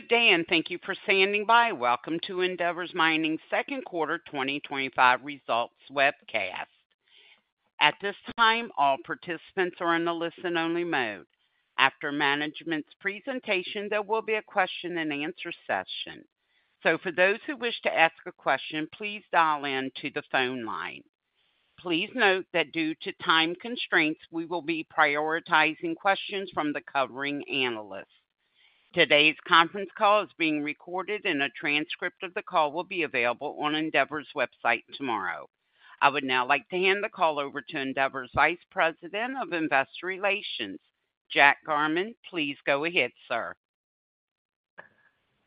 Good day and thank you for standing by. Welcome to Endeavour Mining's second quarter two025 results webcast. At this time, all participants are in a listen-only mode. After management's presentation, there will be a question-and-answer session. For those who wish to ask a question, please dial into the phone line. Please note that due to time constraints, we will be prioritizing questions from the covering analyst. Today's conference call is being recorded, and a transcript of the call will be available on Endeavour Mining's website tomorrow. I would now like to hand the call over to Endeavour Mining's Vice President of Investor Relations, Jack Garman. Please go ahead, sir.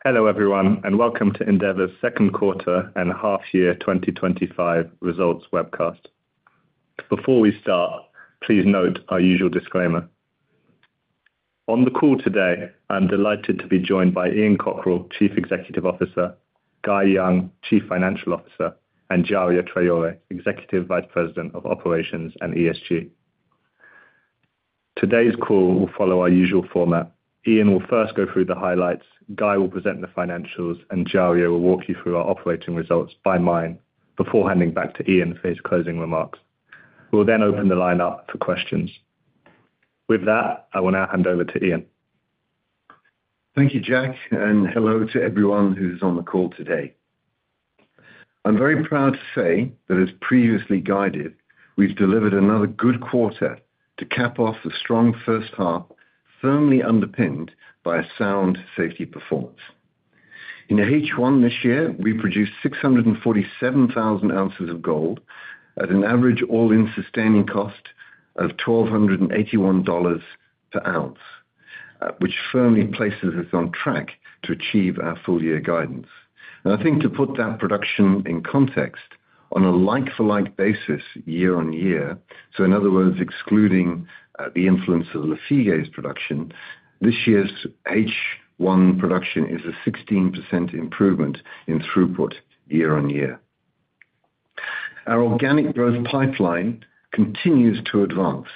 Hello everyone, and welcome to Endeavour's second quarter and half year 2025 results webcast. Before we start, please note our usual disclaimer. On the call today, I'm delighted to be joined by Ian Cockerill, Chief Executive Officer, Guy Young, Chief Financial Officer, and Djaria Traore, Executive Vice President of Operations and ESG. Today's call will follow our usual format. Ian will first go through the highlights, Guy will present the financials, and Djaria will walk you through our operating results by mine before handing back to Ian for his closing remarks. We'll then open the line up for questions. With that, I will now hand over to Ian. Thank you, Jack, and hello to everyone who's on the call today. I'm very proud to say that, as previously guided, we've delivered another good quarter to cap off the strong first half, firmly underpinned by a sound safety performance. In H1 this year, we produced 647,000 ounces of gold at an average all-in sustaining cost of $1,281 per ounce, which firmly places us on track to achieve our full-year guidance. I think to put that production in context, on a like-for-like basis year-on-year, so in other words, excluding the influence of Lafigué production, this year's H1 production is a 16% improvement in throughput year-on-year. Our organic growth pipeline continues to advance,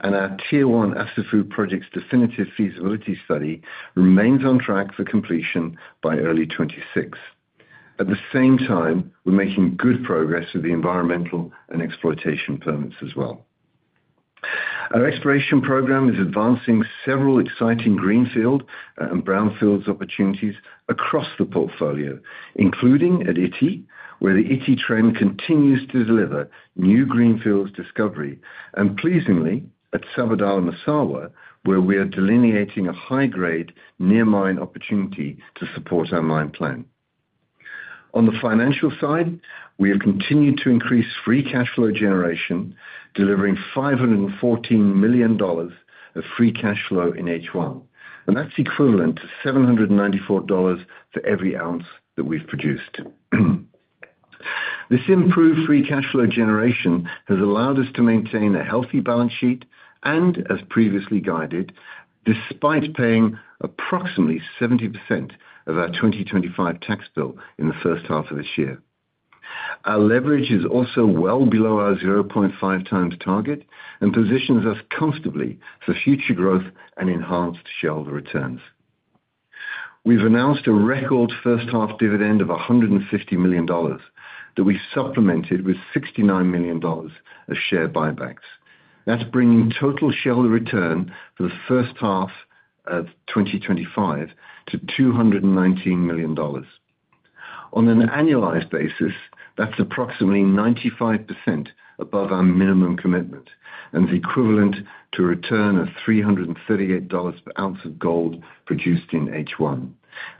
and our Tier 1 Assafou project's definitive feasibility study remains on track for completion by early 2026. At the same time, we're making good progress with the environmental and exploitation permits as well. Our exploration program is advancing several exciting greenfield and brownfields opportunities across the portfolio, including at Ity, where the Ity trend continues to deliver new greenfields discovery, and pleasingly, at Sabodala-Massawa, where we are delineating a high-grade near mine opportunity to support our mine plan. On the financial side, we have continued to increase free cash flow generation, delivering $514 million of free cash flow in H1, and that's equivalent to $794 for every ounce that we've produced. This improved free cash flow generation has allowed us to maintain a healthy balance sheet and, as previously guided, despite paying approximately 70% of our 2025 tax bill in the first half of this year. Our leverage is also well below our 0.5x target and positions us comfortably for future growth and enhanced shareholder returns. We've announced a record first half dividend of $150 million that we've supplemented with $69 million of share buybacks. That's bringing total shareholder return for the first half of 2025 to $219 million. On an annualized basis, that's approximately 95% above our minimum commitment and is equivalent to a return of $338 per ounce of gold produced in H1.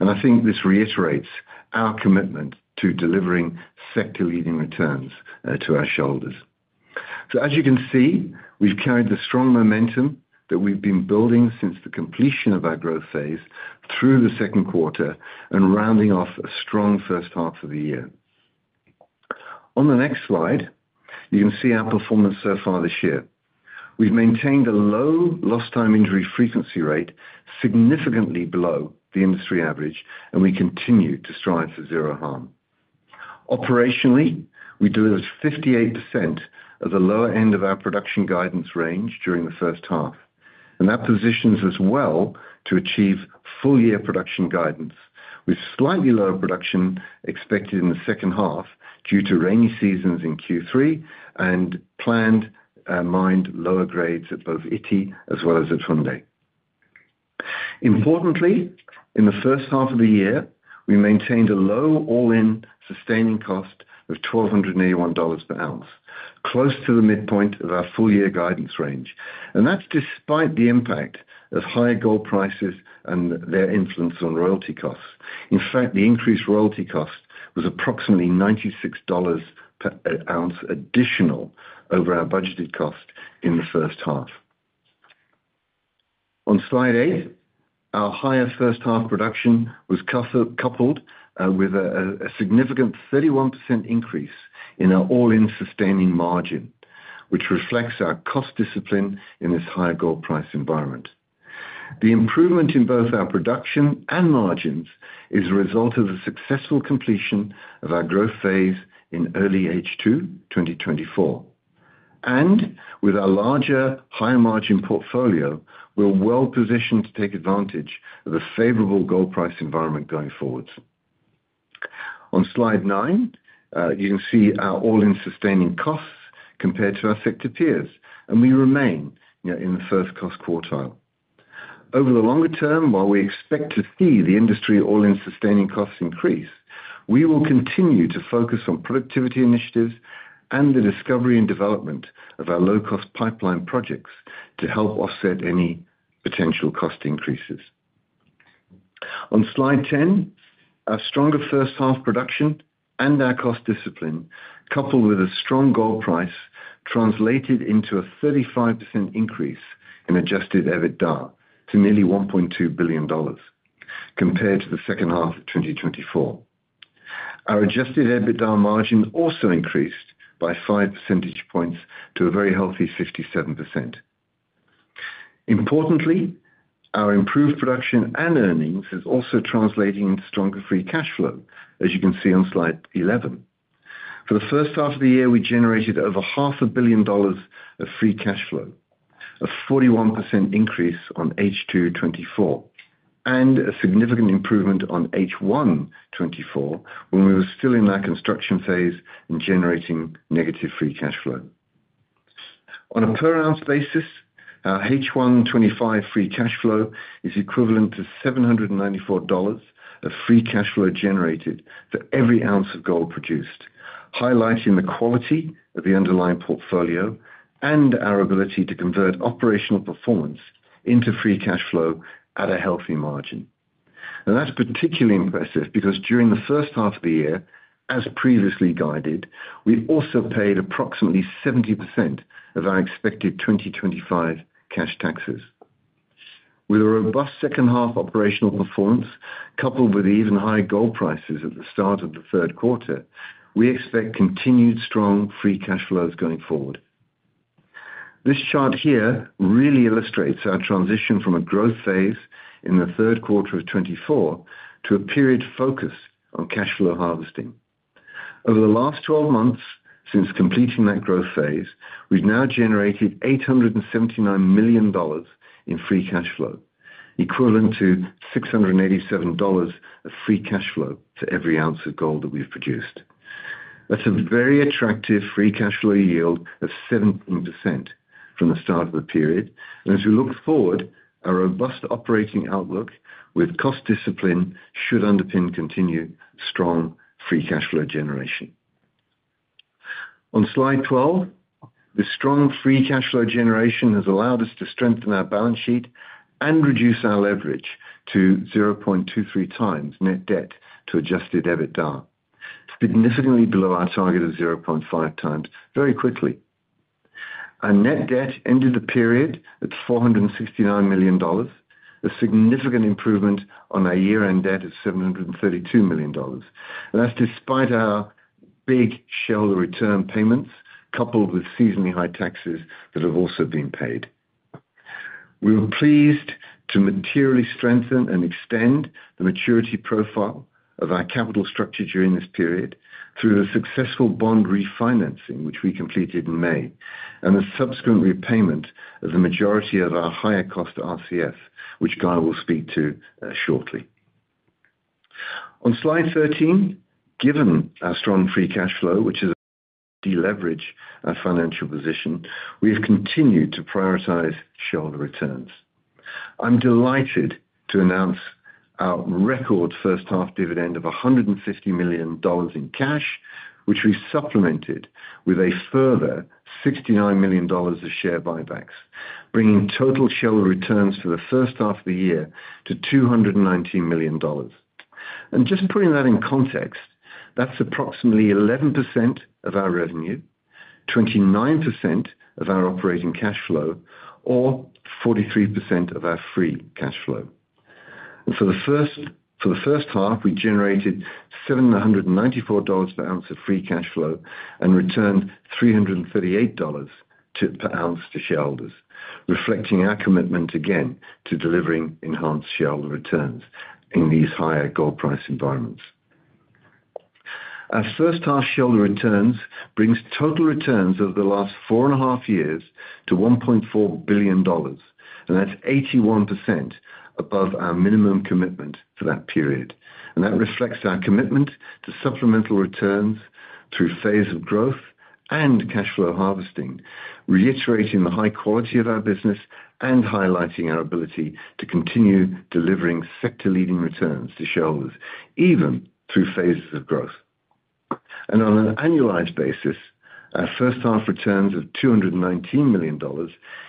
I think this reiterates our commitment to delivering sector-leading returns to our shareholders. As you can see, we've carried the strong momentum that we've been building since the completion of our growth phase through the second quarter and rounding off a strong first half of the year. On the next slide, you can see our performance so far this year. We've maintained a low lost time injury frequency rate, significantly below the industry average, and we continue to strive for zero harm. Operationally, we delivered 58% of the lower end of our production guidance range during the first half, and that positions us well to achieve full-year production guidance, with slightly lower production expected in the second half due to rainy seasons in Q3 and planned mined lower grades at both Ity as well as at Funday. Importantly, in the first half of the year, we maintained a low all-in sustaining cost of $1,281 per ounce, close to the midpoint of our full-year guidance range, and that's despite the impact of higher gold prices and their influence on royalty costs. In fact, the increased royalty cost was approximately $96 per ounce additional over our budgeted cost in the first half. On slide eight, our higher first half production was coupled with a significant 31% increase in our all-in sustaining margin, which reflects our cost discipline in this higher gold price environment. The improvement in both our production and margins is a result of the successful completion of our growth phase in early H2 2024, and with our larger, higher margin portfolio, we're well-positioned to take advantage of a favorable gold price environment going forwards. On slide nine, you can see our all-in sustaining costs compared to our sector peers, and we remain in the first cost quartile. Over the longer-term, while we expect to see the industry all-in sustaining costs increase, we will continue to focus on productivity initiatives and the discovery and development of our low-cost pipeline projects to help offset any potential cost increases. On slide 10, our stronger first half production and our cost discipline, coupled with a strong gold price, translated into a 35% increase in adjusted EBITDA to nearly $1.2 billion compared to the second half of 2024. Our adjusted EBITDA margin also increased by 5% to a very healthy 57%. Importantly, our improved production and earnings are also translating into stronger free cash flow, as you can see on slide 11. For the first half of the year, we generated over $0.5 billion dollars of free cash flow, a 41% increase on H2 2024, and a significant improvement on H1 2024 when we were still in that construction phase and generating negative free cash flow. On a per ounce basis, our H1 2025 free cash flow is equivalent to $794 of free cash flow generated for every ounce of gold produced, highlighting the quality of the underlying portfolio and our ability to convert operational performance into free cash flow at a healthy margin. That is particularly impressive because during the first half of the year, as previously guided, we also paid approximately 70% of our expected 2025 cash taxes. With a robust second half operational performance, coupled with even higher gold prices at the start of the third quarter, we expect continued strong free cash flows going forward. This chart here really illustrates our transition from a growth phase in the third quarter of 2024 to a period focused on cash flow harvesting. Over the last 12 months since completing that growth phase, we've now generated $879 million in free cash flow, equivalent to $687 of free cash flow for every ounce of gold that we've produced. That is a very attractive free cash flow yield of 17% from the start of the period, and as we look forward, a robust operating outlook with cost discipline should underpin continued strong free cash flow generation. On slide 12, this strong free cash flow generation has allowed us to strengthen our balance sheet and reduce our leverage to 0.23x net debt to adjusted EBITDA, significantly below our target of 0.5x very quickly. Our net debt ended the period at $469 million, a significant improvement on our year-end debt of $732 million, and that is despite our big shareholder return payments coupled with seasonally high taxes that have also been paid. We were pleased to materially strengthen and extend the maturity profile of our capital structure during this period through a successful bond refinancing, which we completed in May, and a subsequent repayment of the majority of our higher cost RCF, which Guy will speak to shortly. On slide 13, given our strong free cash flow, which has de-leveraged our financial position, we have continued to prioritize shareholder returns. I'm delighted to announce our record first half dividend of $150 million in cash, which we've supplemented with a further $69 million of share buybacks, bringing total shareholder returns for the first half of the year to $219 million. Just putting that in context, that is approximately 11% of our revenue, 29% of our operating cash flow, or 43% of our free cash flow. For the first half, we generated $794 per ounce of free cash flow and returned $338 per ounce to shareholders, reflecting our commitment again to delivering enhanced shareholder returns in these higher gold price environments. Our first half shareholder returns bring total returns over the last four and a half years to $1.4 billion, and that's 81% above our minimum commitment for that period. That reflects our commitment to supplemental returns through phases of growth and cash flow harvesting, reiterating the high quality of our business and highlighting our ability to continue delivering sector-leading returns to shareholders, even through phases of growth. On an annualized basis, our first half returns of $219 million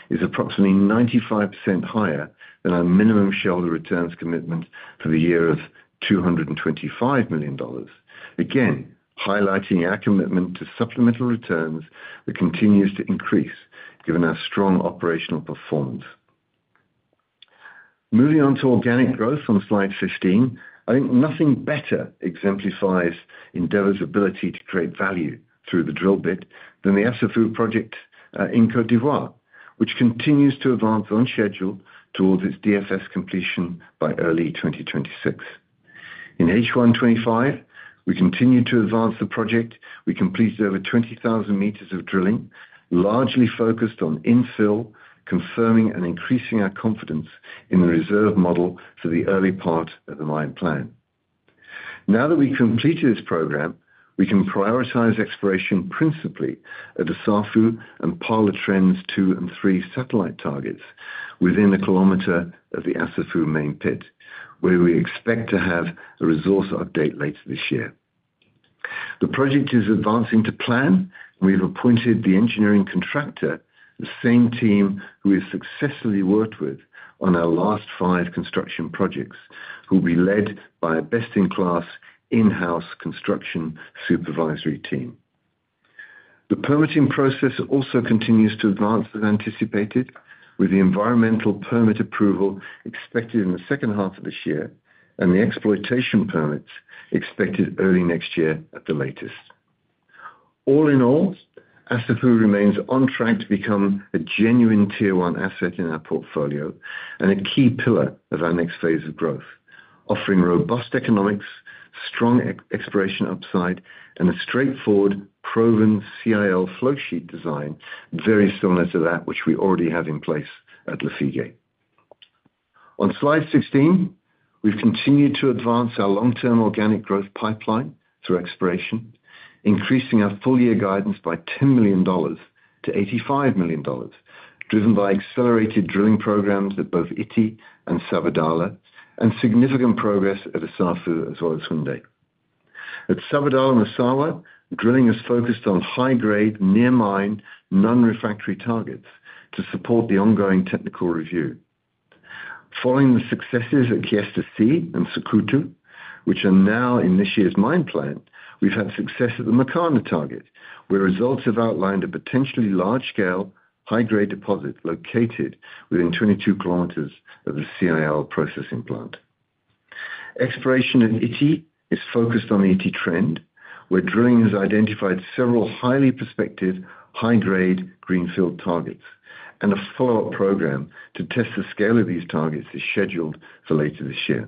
is approximately 95% higher than our minimum shareholder returns commitment for the year of $225 million, again highlighting our commitment to supplemental returns that continues to increase given our strong operational performance. Moving on to organic growth on slide 15, I think nothing better exemplifies Endeavour's ability to create value through the drill bit than the Assafou project in Côte d’Ivoire, which continues to advance on schedule towards its definitive feasibility study completion by early 2026. In H1 2025, we continue to advance the project. We completed over 20,000 m of drilling, largely focused on infill, confirming and increasing our confidence in the reserve model for the early part of the mine plan. Now that we've completed this program, we can prioritize exploration principally at the Safou and Parler Trends 2 and 3 satellite targets within a kilometer of the Assafou main pit, where we expect to have a resource update later this year. The project is advancing to plan, and we've appointed the engineering contractor, the same team who we've successfully worked with on our last five construction projects, who will be led by a best-in-class in-house construction supervisory team. The permitting process also continues to advance as anticipated, with the environmental permit approval expected in the second half of this year and the exploitation permits expected early next year at the latest. All in all, Assafou remains on track to become a genuine Tier 1 asset in our portfolio and a key pillar of our next phase of growth, offering robust economics, strong exploration upside, and a straightforward proven CIL flow sheet design, very similar to that which we already have in place at Lafigué. On slide 16, we've continued to advance our long-term organic growth pipeline through exploration, increasing our full-year guidance by $10 million-$85 million, driven by accelerated drilling programs at both Ity and Sabodala, and significant progress at Assafou as well as Funday. At Sabodala-Massawa, drilling is focused on high-grade near-mine non-refractory targets to support the ongoing technical review. Following the successes at Kiesta C and Soukhoto, which are now in this year's mine plan, we've had success at the Mekana target, where results have outlined a potentially large-scale high-grade deposit located within 22 km of the CIL processing plant. Exploration at Ity is focused on the Ity trend, where drilling has identified several highly prospective high-grade greenfield targets, and a follow-up program to test the scale of these targets is scheduled for later this year.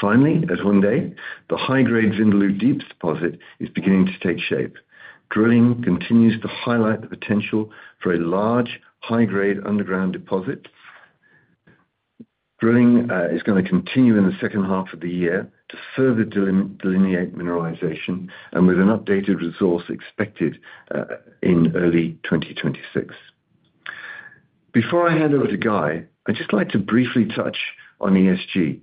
Finally, at Funday, the high-grade Vindaloo Deeps deposit is beginning to take shape. Drilling continues to highlight the potential for a large high-grade underground deposit. Drilling is going to continue in the second half of the year to further delineate mineralization, and with an updated resource expected in early 2026. Before I hand over to Guy, I'd just like to briefly touch on ESG,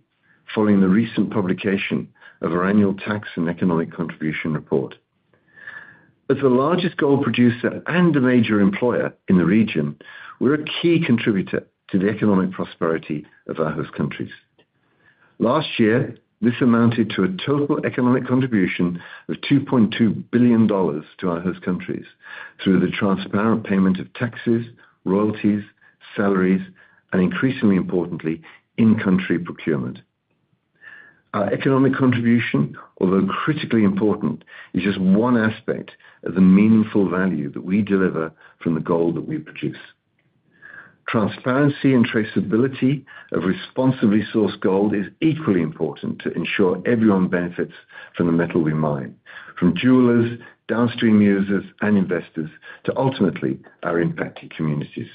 following the recent publication of our annual tax and economic contribution report. As the largest gold producer and the major employer in the region, we're a key contributor to the economic prosperity of our host countries. Last year, this amounted to a total economic contribution of $2.2 billion to our host countries through the transparent payment of taxes, royalties, salaries, and increasingly importantly, in-country procurement. Our economic contribution, although critically important, is just one aspect of the meaningful value that we deliver from the gold that we produce. Transparency and traceability of responsibly sourced gold is equally important to ensure everyone benefits from the metal we mine, from jewelers, downstream users, and investors to ultimately our impacted communities.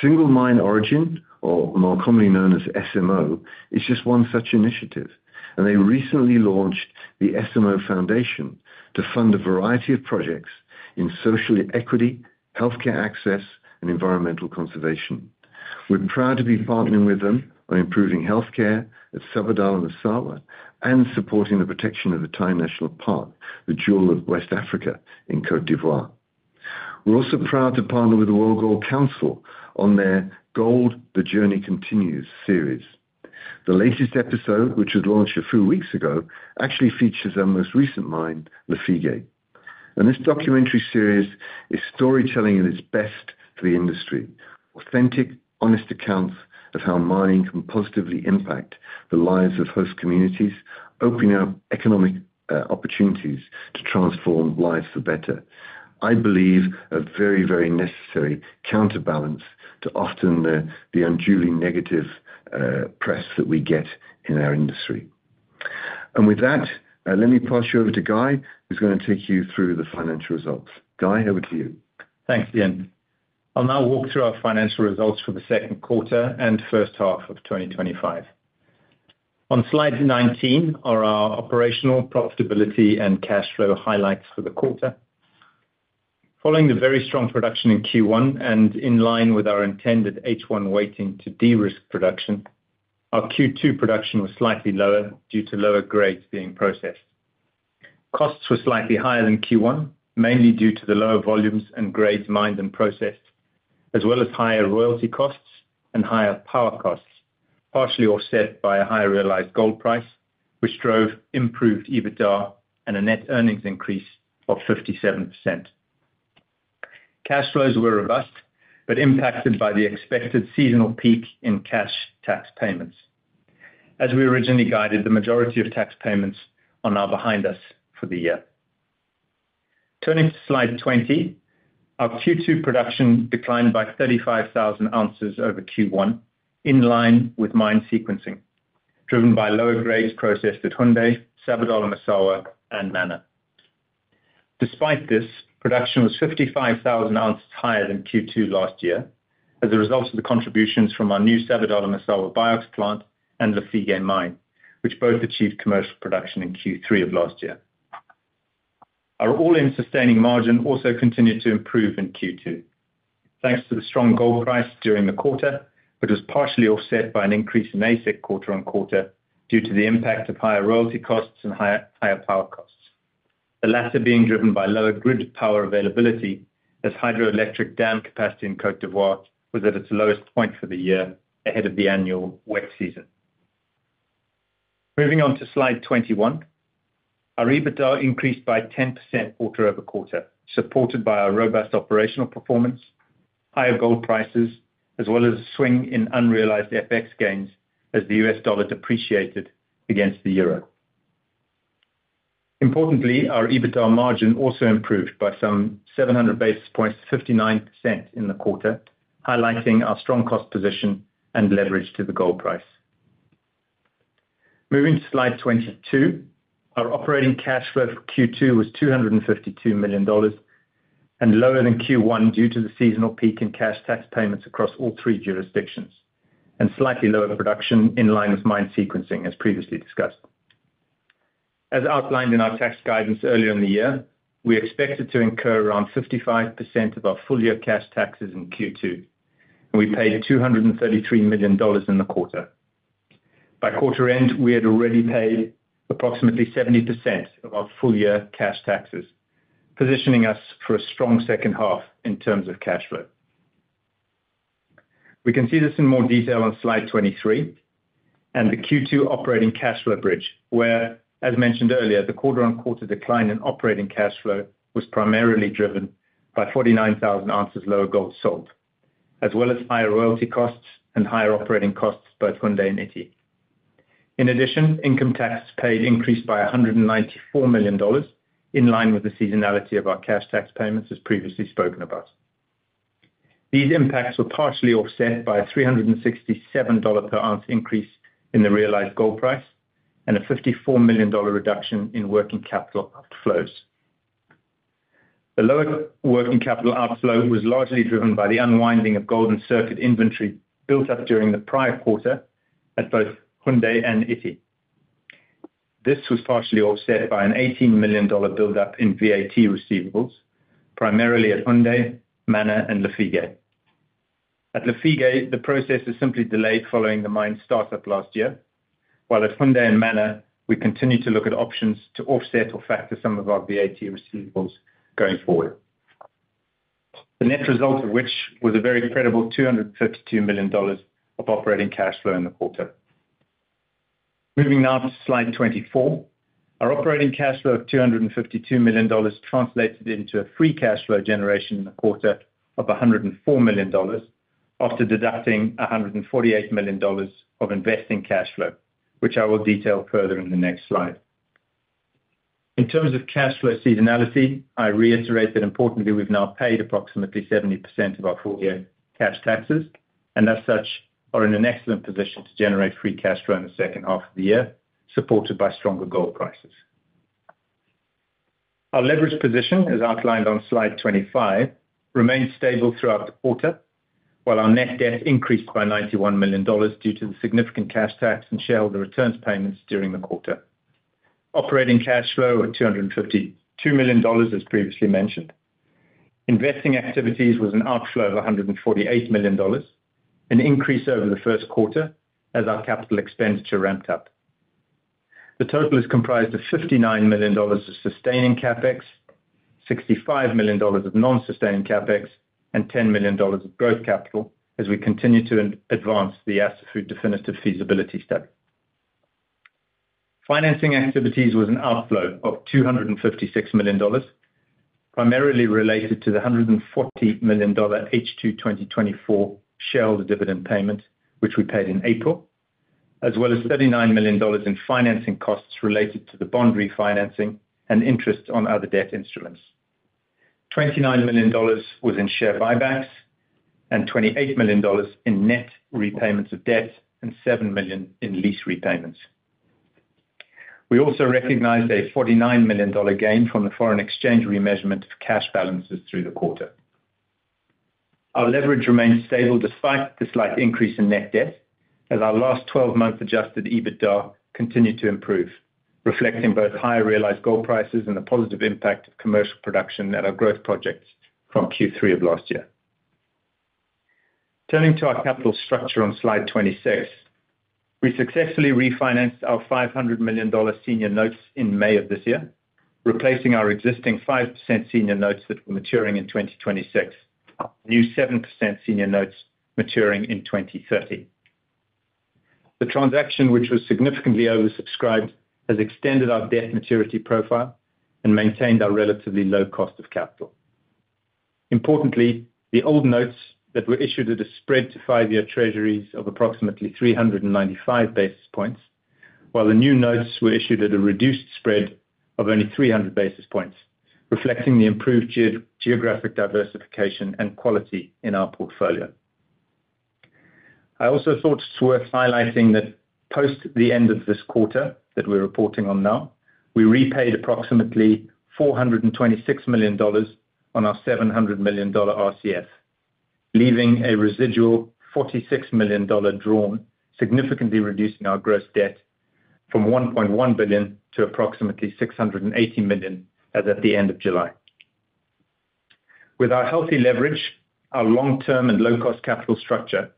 Single Mine Origin, or more commonly known as SMO, is just one such initiative, and they recently launched the SMO Foundation to fund a variety of projects in social equity, healthcare access, and environmental conservation. We're proud to be partnering with them on improving healthcare at Sabodala-Massawa and supporting the protection of the Taï National Park, the jewel of West Africa in Côte d’Ivoire. We're also proud to partner with the World Gold Council on their Gold: The Journey Continues series. The latest episode, which was launched a few weeks ago, actually features our most recent mine, Lafigué. This documentary series is storytelling at its best for the industry, authentic, honest accounts of how mining can positively impact the lives of host communities, opening up economic opportunities to transform lives for better. I believe a very, very necessary counterbalance to often the unduly negative press that we get in our industry. With that, let me pass you over to Guy, who's going to take you through the financial results. Guy, over to you. Thanks, Ian. I'll now walk through our financial results for the second quarter and first half of 2025. On slide 19 are our operational profitability and cash flow highlights for the quarter. Following the very strong production in Q1 and in line with our intended H1 weighting to de-risk production, our Q2 production was slightly lower due to lower grades being processed. Costs were slightly higher than Q1, mainly due to the lower volumes and grades mined and processed, as well as higher royalty costs and higher power costs, partially offset by a higher realized gold price, which drove improved EBITDA and a net earnings increase of 57%. Cash flows were robust but impacted by the expected seasonal peak in cash tax payments. As we originally guided, the majority of tax payments are now behind us for the year. Turning to slide 20, our Q2 production declined by 35,000 ounces over Q1, in line with mine sequencing, driven by lower grades processed at Funday, Sabodala-Massawa, and Mana. Despite this, production was 55,000 ounces higher than Q2 last year as a result of the contributions from our new Sabodala-Massawa BIOX plant and Lafigué mine, which both achieved commercial production in Q3 of last year. Our all-in sustaining margin also continued to improve in Q2, thanks to the strong gold price during the quarter, but was partially offset by an increase in AISC quarter-on-quarter due to the impact of higher royalty costs and higher power costs, the latter being driven by lower grid power availability as hydroelectric dam capacity in Côte d’Ivoire was at its lowest point for the year ahead of the annual wet season. Moving on to slide 21, our EBITDA increased by 10% quarter-over-quarter, supported by our robust operational performance, higher gold prices, as well as a swing in unrealized FX gains as the U.S. dollar depreciated against the euro. Importantly, our EBITDA margin also improved by some 700 basis points to 59% in the quarter, highlighting our strong cost position and leverage to the gold price. Moving to slide 22, our operating cash flow for Q2 was $252 million and lower than Q1 due to the seasonal peak in cash tax payments across all three jurisdictions and slightly lower production in line with mine sequencing, as previously discussed. As outlined in our tax guidance earlier in the year, we expected to incur around 55% of our full-year cash taxes in Q2, and we paid $233 million in the quarter. By quarter end, we had already paid approximately 70% of our full-year cash taxes, positioning us for a strong second half in terms of cash flow. We can see this in more detail on slide 23 and the Q2 operating cash flow bridge, where, as mentioned earlier, the quarter-on-quarter decline in operating cash flow was primarily driven by 49,000 ounces lower gold sold, as well as higher royalty costs and higher operating costs at both Funday and Ity. In addition, income tax paid increased by $194 million in line with the seasonality of our cash tax payments, as previously spoken about. These impacts were partially offset by a $367 per ounce increase in the realized gold price and a $54 million reduction in working capital outflows. The lower working capital outflow was largely driven by the unwinding of gold-in-circuit inventory built up during the prior quarter at both Funday and Ity. This was partially offset by an $18 million buildup in VAT receivables, primarily at Funday, Mana, and Lafigué. At Lafigué, the process is simply delayed following the mine startup last year, while at Funday and Mana, we continue to look at options to offset or factor some of our VAT receivables going forward, the net result of which was a very credible $252 million of operating cash flow in the quarter. Moving now to slide 24, our operating cash flow of $252 million translated into a free cash flow generation in the quarter of $104 million after deducting $148 million of investing cash flow, which I will detail further in the next slide. In terms of cash flow seasonality, I reiterate that importantly, we've now paid approximately 70% of our full-year cash taxes, and as such, are in an excellent position to generate free cash flow in the second half of the year, supported by stronger gold prices. Our leverage position, as outlined on slide 25, remained stable throughout the quarter, while our net debt increased by $91 million due to the significant cash tax and shareholder returns payments during the quarter. Operating cash flow at $252 million, as previously mentioned, investing activities was an outflow of $148 million, an increase over the first quarter as our capital expenditure ramped up. The total is comprised of $59 million of sustaining CapEx, $65 million of non-sustaining CapEx, and $10 million of growth capital as we continue to advance the Assafou definitive feasibility study. Financing activities was an outflow of $256 million, primarily related to the $140 million H2 2024 shareholder dividend payment, which we paid in April, as well as $39 million in financing costs related to the bond refinancing and interest on other debt instruments. $29 million was in share buybacks and $28 million in net repayments of debt, and $7 million in lease repayments. We also recognized a $49 million gain from the foreign exchange remeasurement of cash balances through the quarter. Our leverage remained stable despite this slight increase in net debt, as our last 12-month adjusted EBITDA continued to improve, reflecting both higher realized gold prices and the positive impact of commercial production at our growth projects from Q3 of last year. Turning to our capital structure on slide 26, we successfully refinanced our $500 million senior notes in May of this year, replacing our existing 5% senior notes that were maturing in 2026 with new 7% senior notes maturing in 2030. The transaction, which was significantly oversubscribed, has extended our debt maturity profile and maintained our relatively low cost of capital. Importantly, the old notes that were issued at a spread to five-year treasuries of approximately 395 basis points, while the new notes were issued at a reduced spread of only 300 basis points, reflecting the improved geographic diversification and quality in our portfolio. I also thought it's worth highlighting that post the end of this quarter that we're reporting on now, we repaid approximately $426 million on our $700 million RCF, leaving a residual $46 million drawn, significantly reducing our gross debt from $1.1 billion to approximately $680 million as at the end of July. With our healthy leverage, our long-term and low-cost capital structure,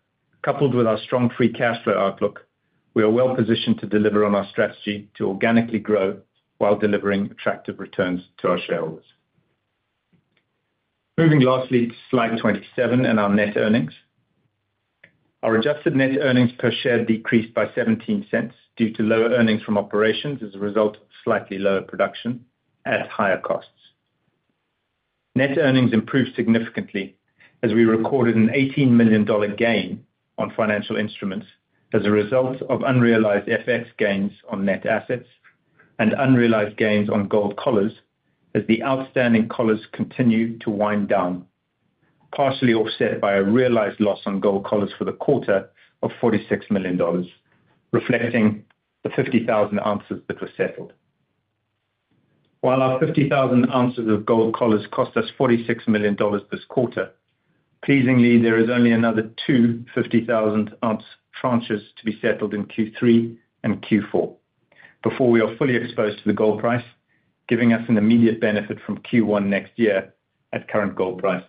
coupled with our strong free cash flow outlook, we are well-positioned to deliver on our strategy to organically grow while delivering attractive returns to our shareholders. Moving lastly to slide 27 and our net earnings, our adjusted net earnings per share decreased by $0.17 due to lower earnings from operations as a result of slightly lower production at higher costs. Net earnings improved significantly as we recorded an $18 million gain on financial instruments as a result of unrealized FX gains on net assets and unrealized gains on gold collars as the outstanding collars continue to wind down, partially offset by a realized loss on gold collars for the quarter of $46 million, reflecting the 50,000 ounces that were settled. While our 50,000 ounces of gold collars cost us $46 million this quarter, pleasingly, there is only another two 50,000 ounce tranches to be settled in Q3 and Q4 before we are fully exposed to the gold price, giving us an immediate benefit from Q1 next year at current gold prices.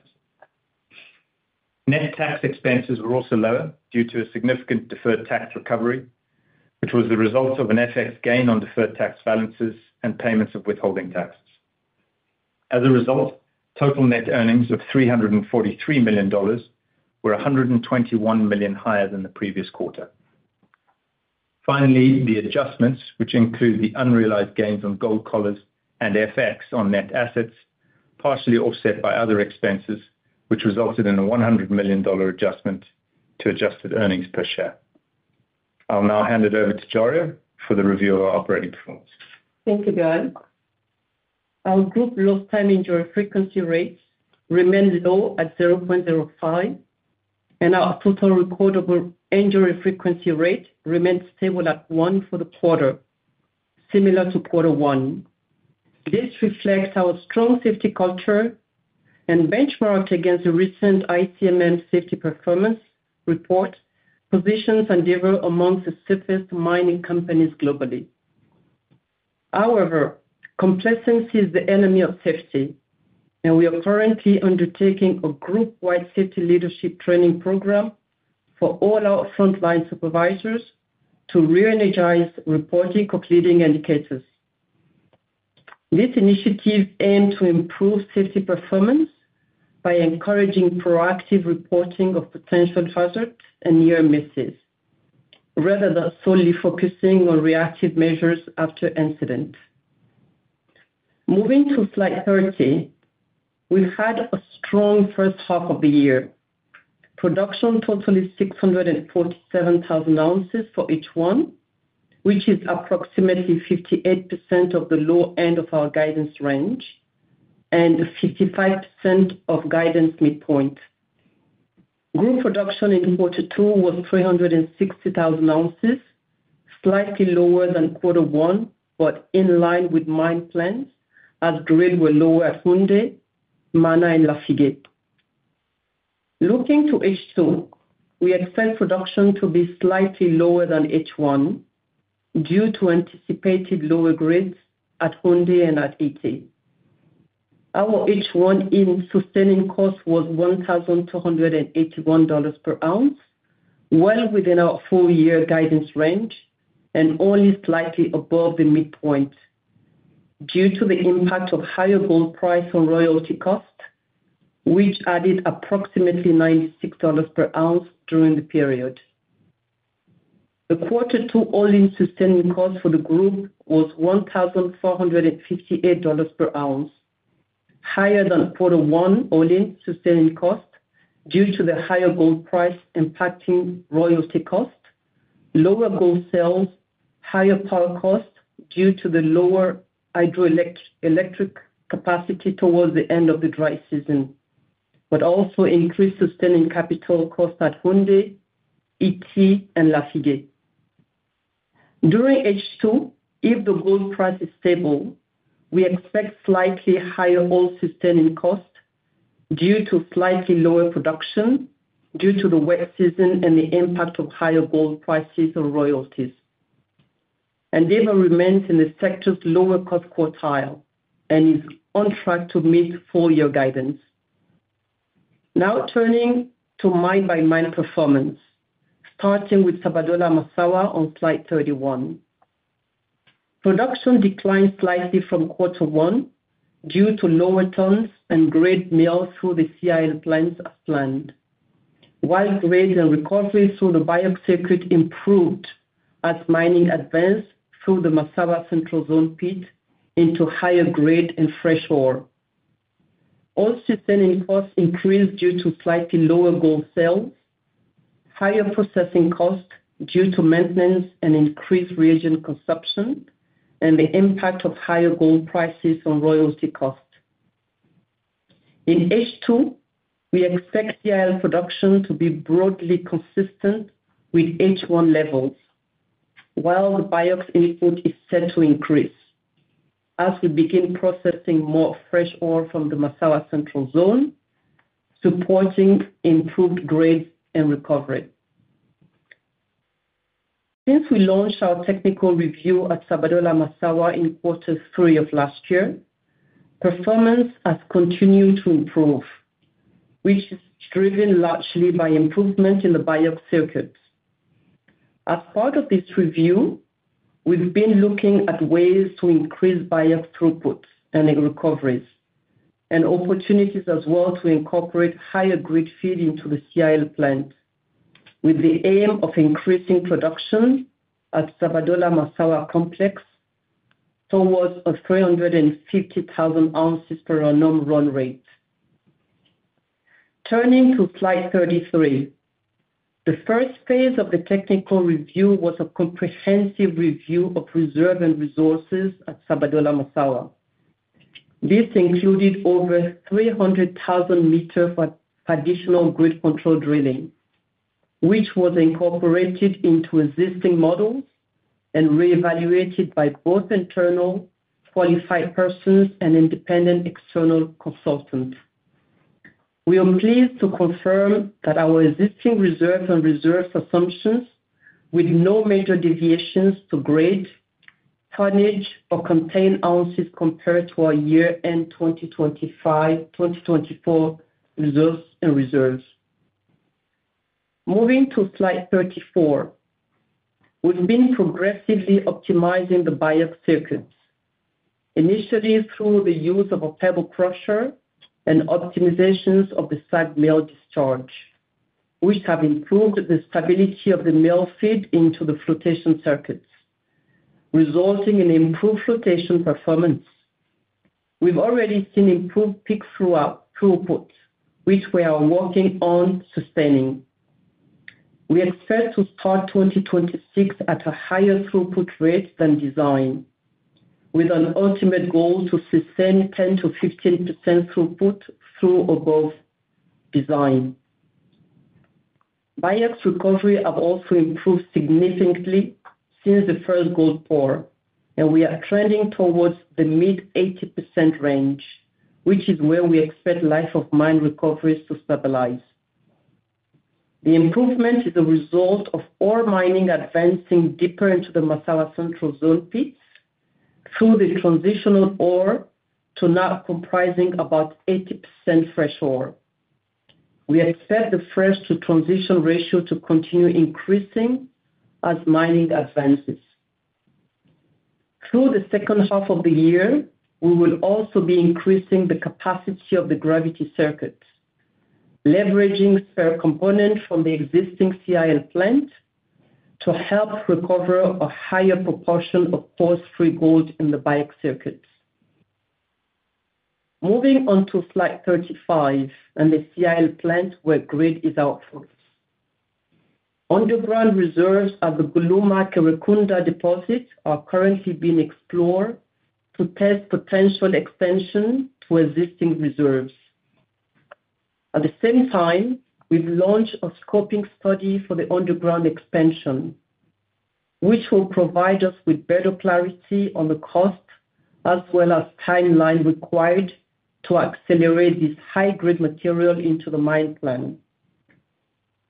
Net tax expenses were also lower due to a significant deferred tax recovery, which was the result of an FX gain on deferred tax balances and payments of withholding taxes. As a result, total net earnings of $343 million were $121 million higher than the previous quarter. Finally, the adjustments, which include the unrealized gains on gold collars and FX on net assets, partially offset by other expenses, resulted in a $100 million adjustment to adjusted earnings per share. I'll now hand it over to Djaria for the review of our operating performance. Thank you, Guy. Our group lost time injury frequency rates remain low at 0.05, and our total recordable injury frequency rate remains stable at one for the quarter, similar to quarter one. This reflects our strong safety culture and, benchmarked against the recent ICMM safety performance report, positions Endeavour amongst the safest mining companies globally. However, complacency is the enemy of safety, and we are currently undertaking a group-wide safety leadership training program for all our frontline supervisors to re-energize reporting of leading indicators. This initiative aims to improve safety performance by encouraging proactive reporting of potential hazards and near misses, rather than solely focusing on reactive measures after incident. Moving to slide 30, we had a strong first half of the year. Production total is 647,000 ounces for H1, which is approximately 58% of the low end of our guidance range and 55% of guidance midpoint. Group production in quarter two was 360,000 ounces, slightly lower than quarter one, but in line with mine plans, as drilled were lower at Funday, Mana, and Lafigué. Looking to H2, we expect production to be slightly lower than H1 due to anticipated lower grades at Funday and at Ity. Our H1 all-in sustaining cost was $1,281 per ounce, well within our full-year guidance range and only slightly above the midpoint due to the impact of higher gold price on royalty cost, which added approximately $96 per ounce during the period. The quarter two all-in sustaining cost for the group was $1,458 per ounce, higher than quarter one all-in sustaining cost due to the higher gold price impacting royalty cost, lower gold sales, higher power cost due to the lower hydroelectric capacity towards the end of the dry season, but also increased sustaining capital cost at Funday, Ity, and Lafigué. During H2, if the gold price is stable, we expect slightly higher all-in sustaining cost due to slightly lower production due to the wet season and the impact of higher gold prices on royalties. Endeavour remains in the sector's lower cost quartile and is on track to meet full-year guidance. Now turning to mine by mine performance, starting with Sabodala-Massawa on slide 31. Production declined slightly from quarter one due to lower tons and grade milled through the CIL plants as planned, while grade and recovery through the BIOX plant improved as mining advanced through the Massawa Central Zone pit into higher grade and fresh ore. All-in sustaining costs increased due to slightly lower gold sales, higher processing costs due to maintenance and increased reagent consumption, and the impact of higher gold prices on royalty costs. In H2, we expect CIL production to be broadly consistent with H1 levels, while the BIOX input is set to increase as we begin processing more fresh ore from the Massawa Central Zone, supporting improved grades and recovery. Since we launched our technical review at Sabodala-Massawa in quarter three of last year, performance has continued to improve, which is driven largely by improvement in the BIOX circuits. As part of this review, we've been looking at ways to increase BIOX throughput and recoveries and opportunities as well to incorporate higher grade feed into the CIL plant, with the aim of increasing production at the Sabodala-Massawa complex towards a 350,000 ounces per annum run rate. Turning to slide 33, the first phase of the technical review was a comprehensive review of reserves and resources at Sabodala-Massawa. This included over 300,000 m of additional grid control drilling, which was incorporated into existing models and reevaluated by both internal qualified persons and independent external consultants. We are pleased to confirm that our existing reserves and reserve assumptions with no major deviations to grade, tonnage, or contained ounces compared to our year-end 2025 reserves and reserves. Moving to slide 34, we've been progressively optimizing the BIOX circuits, initially through the use of a pebble crusher and optimizations of the SAG mill discharge, which have improved the stability of the mill feed into the flotation circuits, resulting in improved flotation performance. We've already seen improved peak throughput, which we are working on sustaining. We expect to start 2026 at a higher throughput rate than design, with an ultimate goal to sustain 10%-15% throughput above design. BIOX recovery has also improved significantly since the first gold pour, and we are trending towards the mid-80% range, which is where we expect life of mine recoveries to stabilize. The improvement is a result of ore mining advancing deeper into the Massawa Central Zone pits through the transitional ore to now comprising about 80% fresh ore. We expect the fresh-to-transition ratio to continue increasing as mining advances. Through the second half of the year, we will also be increasing the capacity of the gravity circuit, leveraging spare components from the existing CIL plant to help recover a higher proportion of force-free gold in the BIOX circuits. Moving on to slide 35 and the CIL plant where grid is out for us. Underground reserves at the Golouma-Kerekounda deposit are currently being explored to test potential extension to existing reserves. At the same time, we've launched a scoping study for the underground expansion, which will provide us with better clarity on the cost as well as timeline required to accelerate this high-grade material into the mine plan,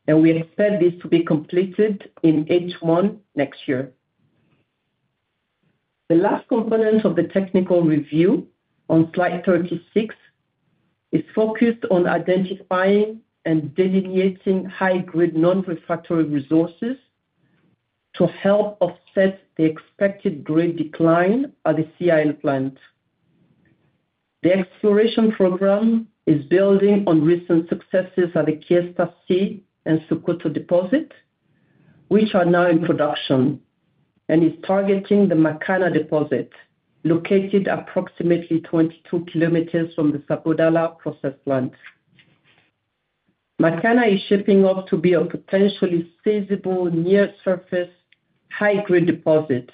and we expect this to be completed in H1 next year. The last component of the technical review on slide 36 is focused on identifying and delineating high-grade non-refractory resources to help offset the expected grade decline at the CIL plant. The exploration program is building on recent successes at the Kiesta C and Soukhoto deposit, which are now in production, and is targeting the Mekana deposit located approximately 22 km from the Sabodala process plant. Mekana is shaping up to be a potentially sizable near-surface high-grade deposit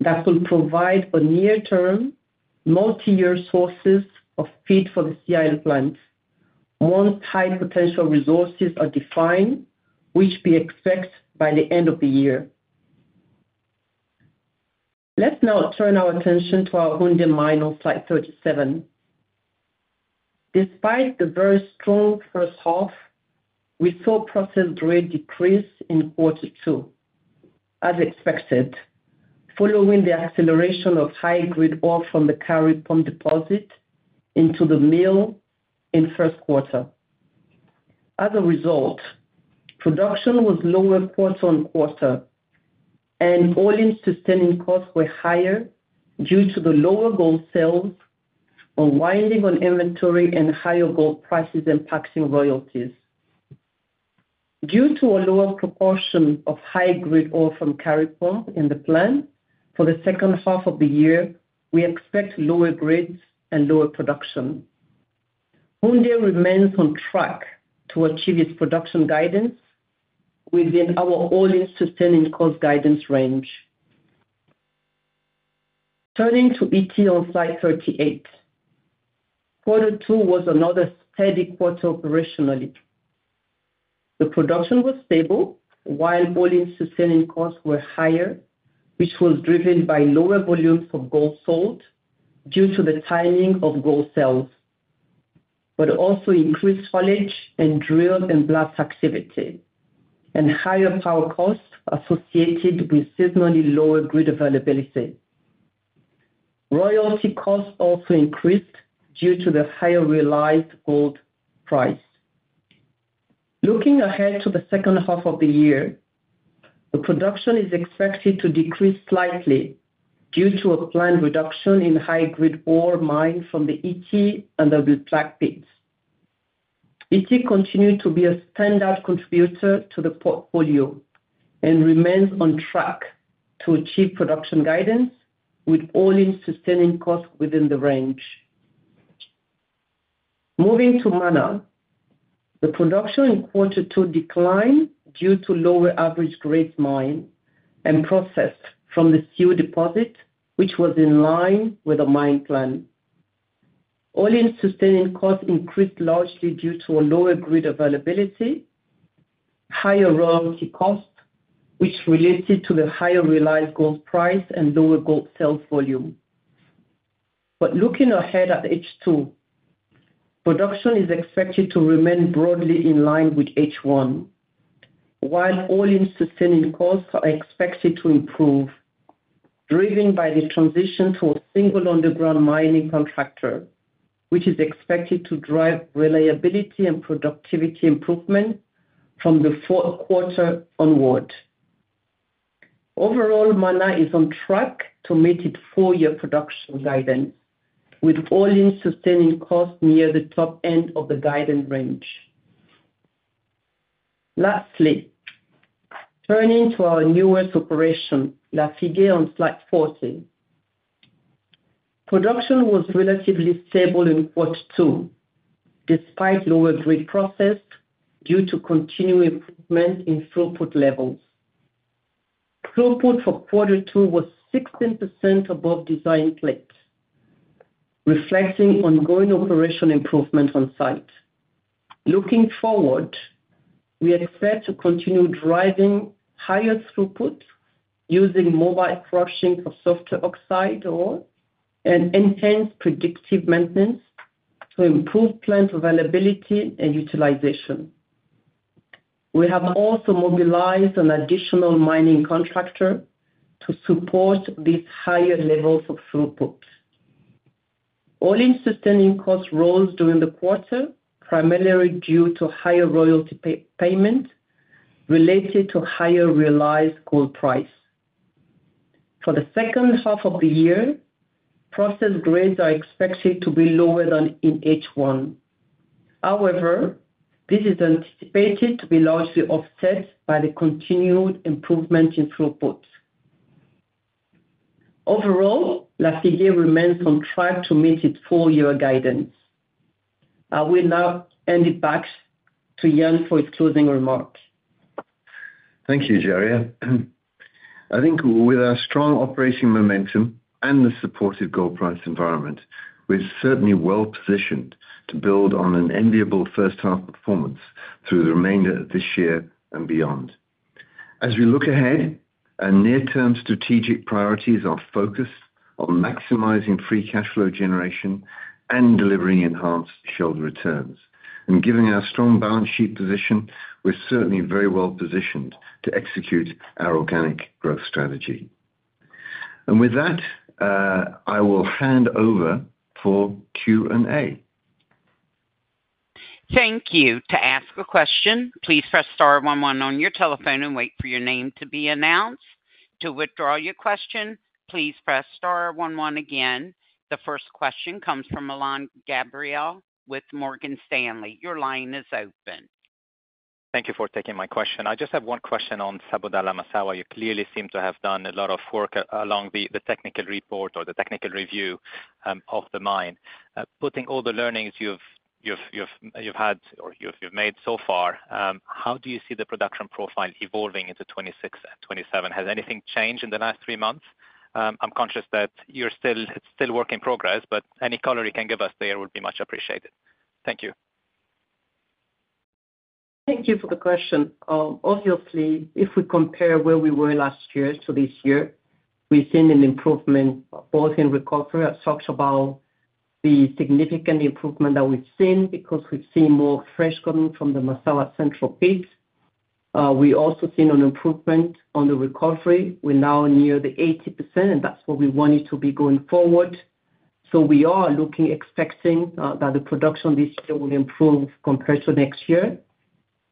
that will provide a near-term multi-year source of feed for the CIL plant once high potential resources are defined, which we expect by the end of the year. Let's now turn our attention to our Funday mine on slide 37. Despite the very strong first half, we saw process grade decrease in quarter two, as expected, following the acceleration of high-grade ore from the Kari Pump deposit into the mill in first quarter. As a result, production was lower quarter-on-quarter, and all-in sustaining costs were higher due to the lower gold sales, unwinding on inventory, and higher gold prices impacting royalties. Due to a lower proportion of high-grade ore from Kari Pump in the plant for the second half of the year, we expect lower grades and lower production. Funday remains on track to achieve its production guidance within our all-in sustaining cost guidance range. Turning to Ity on slide 38, quarter two was another steady quarter operationally. The production was stable while all-in sustaining costs were higher, which was driven by lower volumes of gold sold due to the timing of gold sales, but also increased haulage and drill and blast activity and higher power costs associated with seasonally lower grid availability. Royalty costs also increased due to the higher realized gold price. Looking ahead to the second half of the year, the production is expected to decrease slightly due to a planned reduction in high-grade ore mined from the Ity and the Le Plaque pits. Ity continued to be a standard contributor to the portfolio and remains on track to achieve production guidance with all-in sustaining costs within the range. Moving to Mana, the production in quarter two declined due to lower average grades mined and processed from the Siou deposit, which was in line with the mine plan. All-in sustaining costs increased largely due to a lower grade availability, higher royalty costs, which related to the higher realized gold price and lower gold sales volume. Looking ahead at H2, production is expected to remain broadly in line with H1, while all-in sustaining costs are expected to improve, driven by the transition to a single underground mining contractor, which is expected to drive reliability and productivity improvement from the fourth quarter onward. Overall, Mana is on track to meet its four-year production guidance, with all-in sustaining costs near the top end of the guidance range. Lastly, turning to our newest operation, Lafigué, on slide 40, production was relatively stable in quarter two, despite lower grade processed due to continued improvement in throughput levels. Throughput for quarter two was 16% above design plate, reflecting ongoing operational improvement on site. Looking forward, we expect to continue driving higher throughput using mobile crushing for softer oxide ore and enhanced predictive maintenance to improve plant availability and utilization. We have also mobilized an additional mining contractor to support these higher levels of throughput. All-in sustaining costs rose during the quarter, primarily due to higher royalty payment related to higher realized gold price. For the second half of the year, process grades are expected to be lower than in H1. However, this is anticipated to be largely offset by the continued improvement in throughput. Overall, Lafigué remains on track to meet its four-year guidance. I will now hand it back to Ian for his closing remarks. Thank you, Djaria. I think with our strong operating momentum and the supportive gold price environment, we're certainly well-positioned to build on an enviable first-half performance through the remainder of this year and beyond. As we look ahead, our near-term strategic priorities are focused on maximizing free cash flow generation and delivering enhanced shareholder returns. Given our strong balance sheet position, we're certainly very well positioned to execute our organic growth strategy. With that, I will hand over for Q&A. Thank you. To ask a question, please press star one one on your telephone and wait for your name to be announced. To withdraw your question, please press star one one again. The first question comes from Alain Gabriel with Morgan Stanley. Your line is open. Thank you for taking my question. I just have one question on Sabodala-Massawa. You clearly seem to have done a lot of work along the technical report or the technical review of the mine. Putting all the learnings you've had or you've made so far, how do you see the production profile evolving into 2026 and 2027? Has anything changed in the last three months? I'm conscious that it's still work in progress, but any color you can give us there would be much appreciated. Thank you. Thank you for the question. Obviously, if we compare where we were last year to this year, we've seen an improvement both in recovery. I've talked about the significant improvement that we've seen because we've seen more fresh gold from the Massawa Central pits. We've also seen an improvement on the recovery. We're now near the 80%, and that's what we wanted to be going forward. We are looking, expecting that the production this year will improve compared to next year.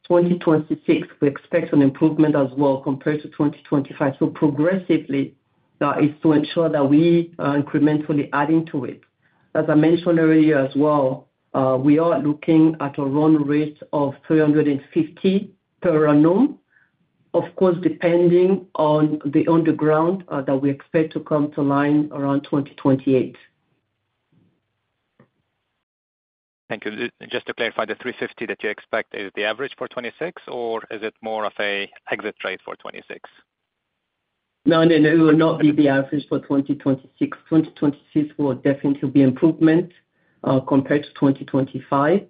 In 2026, we expect an improvement as well compared to 2025. Progressively, it's to ensure that we are incrementally adding to it. As I mentioned earlier as well, we are looking at a run rate of 350 per annum, of course, depending on the underground that we expect to come to line around 2028. Thank you. Just to clarify, the $350 that you expect, is it the average for 2026, or is it more of an exit rate for 2026? It will not be the average for 2026. 2026 will definitely be an improvement compared to 2025.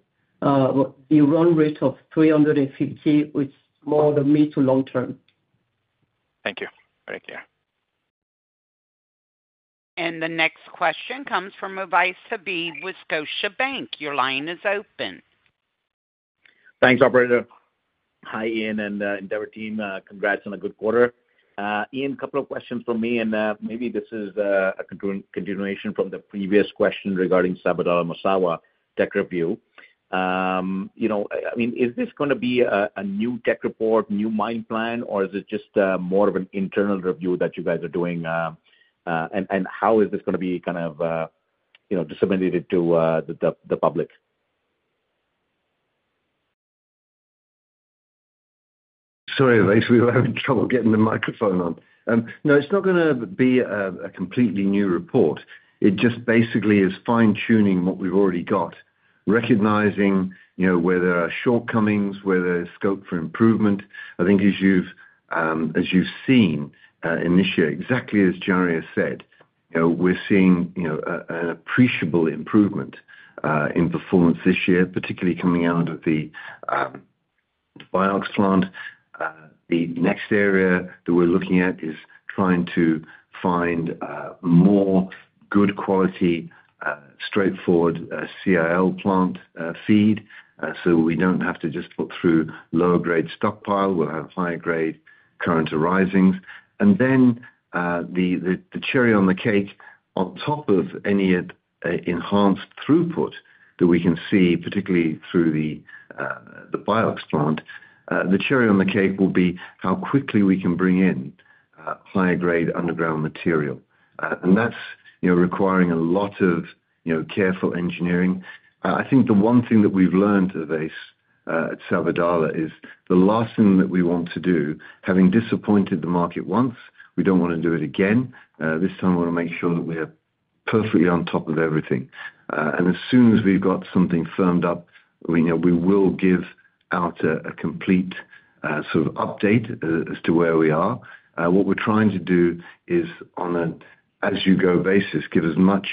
The run rate of 350 is more the mid to long term. Thank you. Very clear. The next question comes from Ovais Habib, Scotiabank. Your line is open. Thanks, operator. Hi, Ian and Endeavour team. Congrats on a good quarter. Ian, a couple of questions from me, and maybe this is a continuation from the previous question regarding Sabodala-Massawa tech review. I mean, is this going to be a new tech report, new mine plan, or is it just more of an internal review that you guys are doing? How is this going to be kind of disseminated to the public? Sorry, Ovai. We were having trouble getting the microphone on. No, it's not going to be a completely new report. It just basically is fine-tuning what we've already got, recognizing where there are shortcomings, where there's scope for improvement. I think as you've seen in this year, exactly as Djaria said, you know, we're seeing an appreciable improvement in performance this year, particularly coming out of the BIOX plant. The next area that we're looking at is trying to find more good quality, straightforward CIL plant feed so we don't have to just put through lower grade stockpile. We'll have higher grade current arisings. The cherry on the cake on top of any enhanced throughput that we can see, particularly through the BIOX plant, will be how quickly we can bring in higher grade underground material. That's requiring a lot of careful engineering. I think the one thing that we've learned at Sabodala-Massawa is the last thing that we want to do, having disappointed the market once, we don't want to do it again. This time, we want to make sure that we are perfectly on top of everything. As soon as we've got something firmed up, we will give out a complete sort of update as to where we are. What we're trying to do is on an as-you-go basis, give as much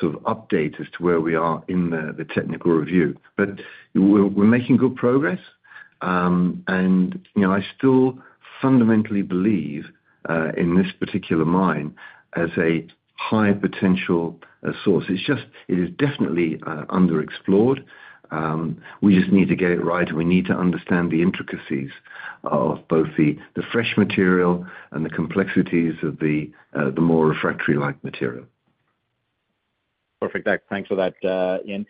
sort of update as to where we are in the technical review. We're making good progress. I still fundamentally believe in this particular mine as a high potential source. It is definitely underexplored. We just need to get it right, and we need to understand the intricacies of both the fresh material and the complexities of the more refractory-like material. Perfect. Thanks for that, Ian.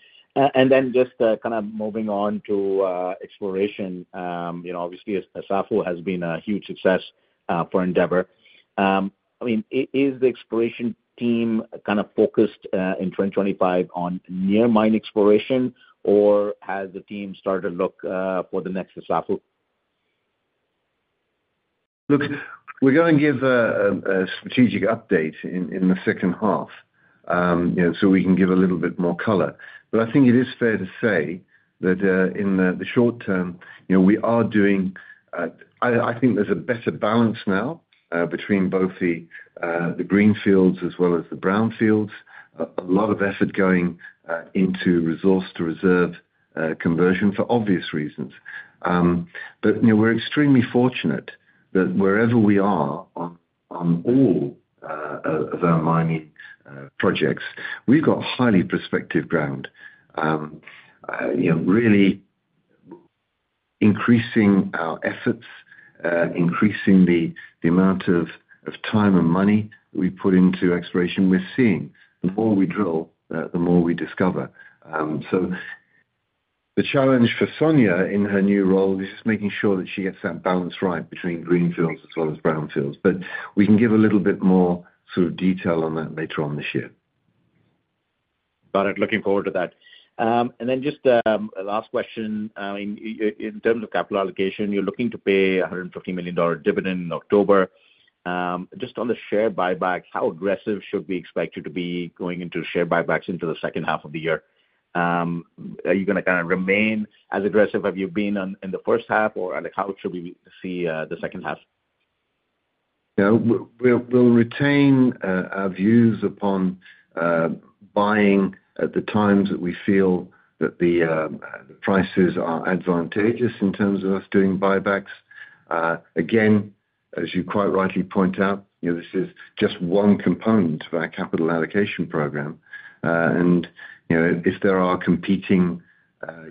Just kind of moving on to exploration. Obviously, Assafou has been a huge success for Endeavour. I mean, is the exploration team kind of focused in 2025 on near mine exploration, or has the team started to look for the next Assafou? Look, we're going to give a strategic update in the second half so we can give a little bit more color. I think it is fair to say that in the short-term, you know, we are doing, I think there's a better balance now between both the greenfields as well as the brownfields. A lot of effort going into resource-to-reserve conversion for obvious reasons. We're extremely fortunate that wherever we are on all of our mining projects, we've got highly prospective ground. Really increasing our efforts, increasing the amount of time and money that we put into exploration, we're seeing. The more we drill, the more we discover. The challenge for Sonia in her new role is just making sure that she gets that balance right between greenfields as well as brownfields. We can give a little bit more sort of detail on that later on this year. Got it. Looking forward to that. Just a last question. In terms of capital allocation, you're looking to pay $150 million dividend in October. Just on the share buybacks, how aggressive should we expect you to be going into share buybacks into the second half of the year? Are you going to kind of remain as aggressive as you've been in the first half, or how should we see the second half? will retain our views upon buying at the times that we feel that the prices are advantageous in terms of us doing share buybacks. Again, as you quite rightly point out, this is just one component of our capital allocation program. If there are competing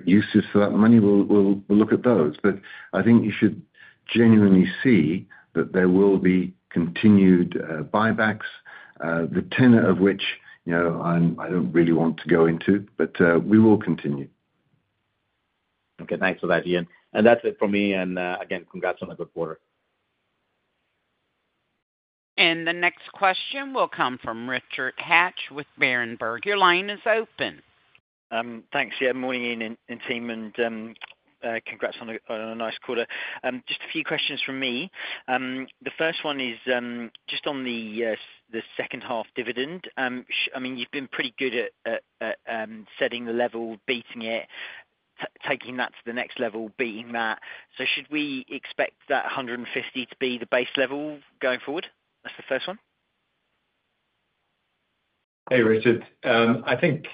uses for that money, we will look at those. I think you should genuinely see that there will be continued share buybacks, the tenor of which I do not really want to go into, but we will continue. Okay. Thanks for that, Ian. That's it for me. Again, congrats on a good quarter. The next question will come from Richard Hatch with Berenberg. Your line is open. Thanks. Yeah, morning, Ian and team, and congrats on a nice quarter. Just a few questions from me. The first one is just on the second half dividend. I mean, you've been pretty good at setting the level, beating it, taking that to the next level, beating that. Should we expect that $150 to be the base level going forward? That's the first one. Hey, Richard. I think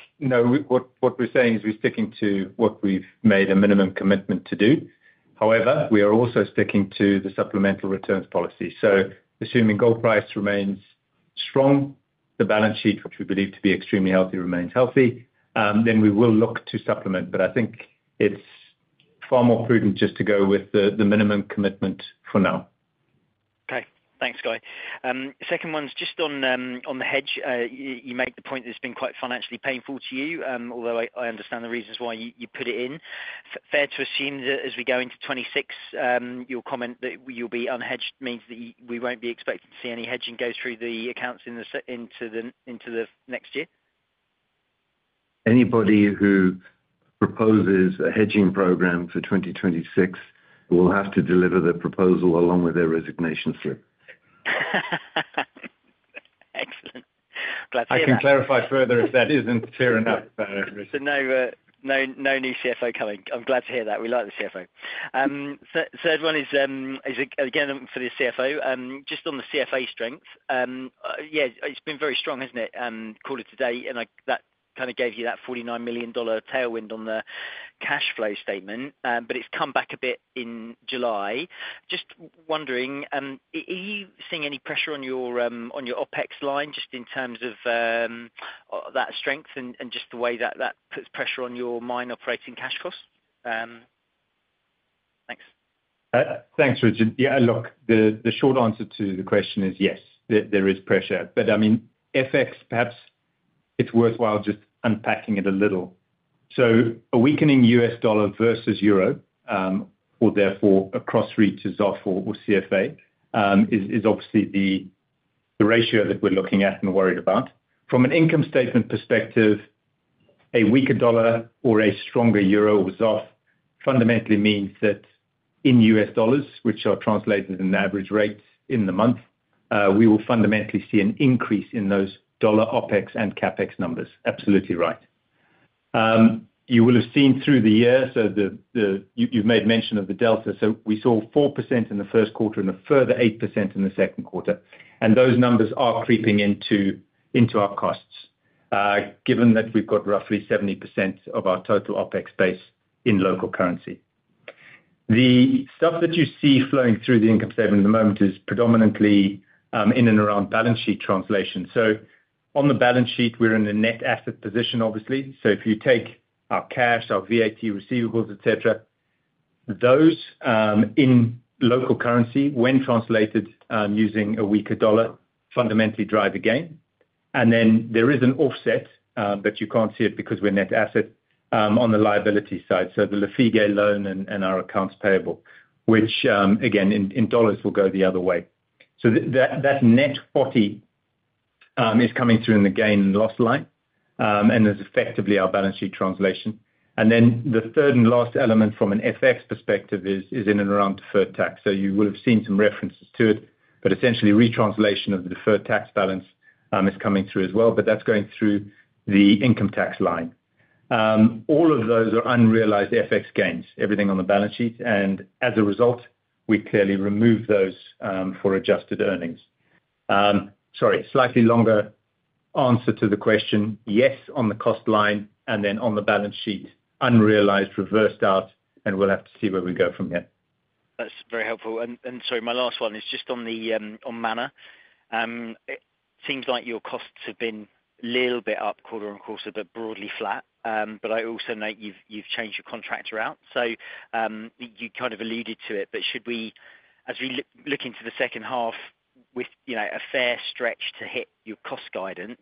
what we're saying is we're sticking to what we've made a minimum commitment to do. However, we are also sticking to the supplemental returns policy. Assuming gold price remains strong, the balance sheet, which we believe to be extremely healthy, remains healthy, we will look to supplement. I think it's far more prudent just to go with the minimum commitment for now. Okay. Thanks, Guy. Second one's just on the hedge. You make the point that it's been quite financially painful to you, although I understand the reasons why you put it in. Fair to assume that as we go into 2026, your comment that you'll be unhedged means that we won't be expected to see any hedging go through the accounts into the next year? Anybody who proposes a hedging program for 2026 will have to deliver the proposal along with their resignation slip. Excellent. Glad to hear that. I can clarify further if that isn't clear enough, Richard. No new CFO coming. I'm glad to hear that. We like the CFO. Third one is, again, for the CFO. Just on the CFA strength, yeah, it's been very strong, hasn't it? Quarter-to-date, and that kind of gave you that $49 million tailwind on the cash flow statement, but it's come back a bit in July. Just wondering, are you seeing any pressure on your OpEx line just in terms of that strength and just the way that that puts pressure on your mine operating cash costs? Thanks. Thanks, Richard. Yeah, look, the short answer to the question is yes, there is pressure. FX, perhaps it's worthwhile just unpacking it a little. A weakening U.S. dollar versus euro, or therefore a cross-rated reserve or CFA, is obviously the ratio that we're looking at and worried about. From an income statement perspective, a weaker dollar or a stronger euro or reserve fundamentally means that in U.S. dollars, which are translated in average rates in the month, we will fundamentally see an increase in those dollar OpEx and CapEx numbers. Absolutely right. You will have seen through the year, so you've made mention of the delta. We saw 4% in the first quarter and a further 8% in the second quarter. Those numbers are creeping into our costs, given that we've got roughly 70% of our total OpEx base in local currency. The stuff that you see flowing through the income statement at the moment is predominantly in and around balance sheet translation. On the balance sheet, we're in a net asset position, obviously. If you take our cash, our VAT receivables, etc., those in local currency, when translated using a weaker dollar, fundamentally drive a gain. There is an offset, but you can't see it because we're net asset on the liability side. The Lafigué loan and our accounts payable, which again in dollars will go the other way. That net 40 is coming through in the gain and loss line, and it's effectively our balance sheet translation. The third and last element from an FX perspective is in and around deferred tax. You will have seen some references to it, but essentially retranslation of the deferred tax balance is coming through as well. That's going through the income tax line. All of those are unrealized FX gains, everything on the balance sheet. As a result, we clearly remove those for adjusted earnings. Sorry, slightly longer answer to the question. Yes, on the cost line and then on the balance sheet, unrealized reversed out, and we'll have to see where we go from here. That's very helpful. Sorry, my last one is just on Mana. It seems like your costs have been a little bit up quarter-on-quarter, but broadly flat. I also note you've changed your contractor out. You kind of alluded to it, but should we, as we look into the second half, with a fair stretch to hit your cost guidance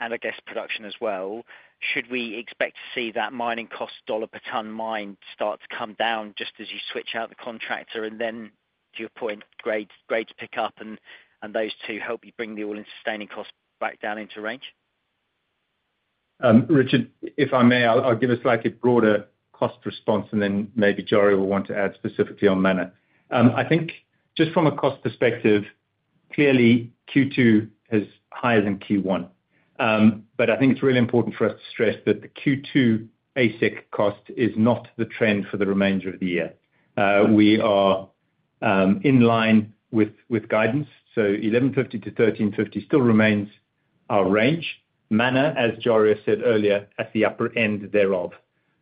and I guess production as well, should we expect to see that mining cost dollar per ton mined start to come down just as you switch out the contractor and then, to your point, grades pick up and those two help you bring the all-in sustaining cost back down into range? Richard, if I may, I'll give a slightly broader cost response, and then maybe Djaria will want to add specifically on Mana. I think just from a cost perspective, clearly Q2 is higher than Q1. I think it's really important for us to stress that the Q2 all-in sustaining cost is not the trend for the remainder of the year. We are in line with guidance. So $1,150-$1,350 still remains our range. Mana, as Djaria said earlier, at the upper end thereof.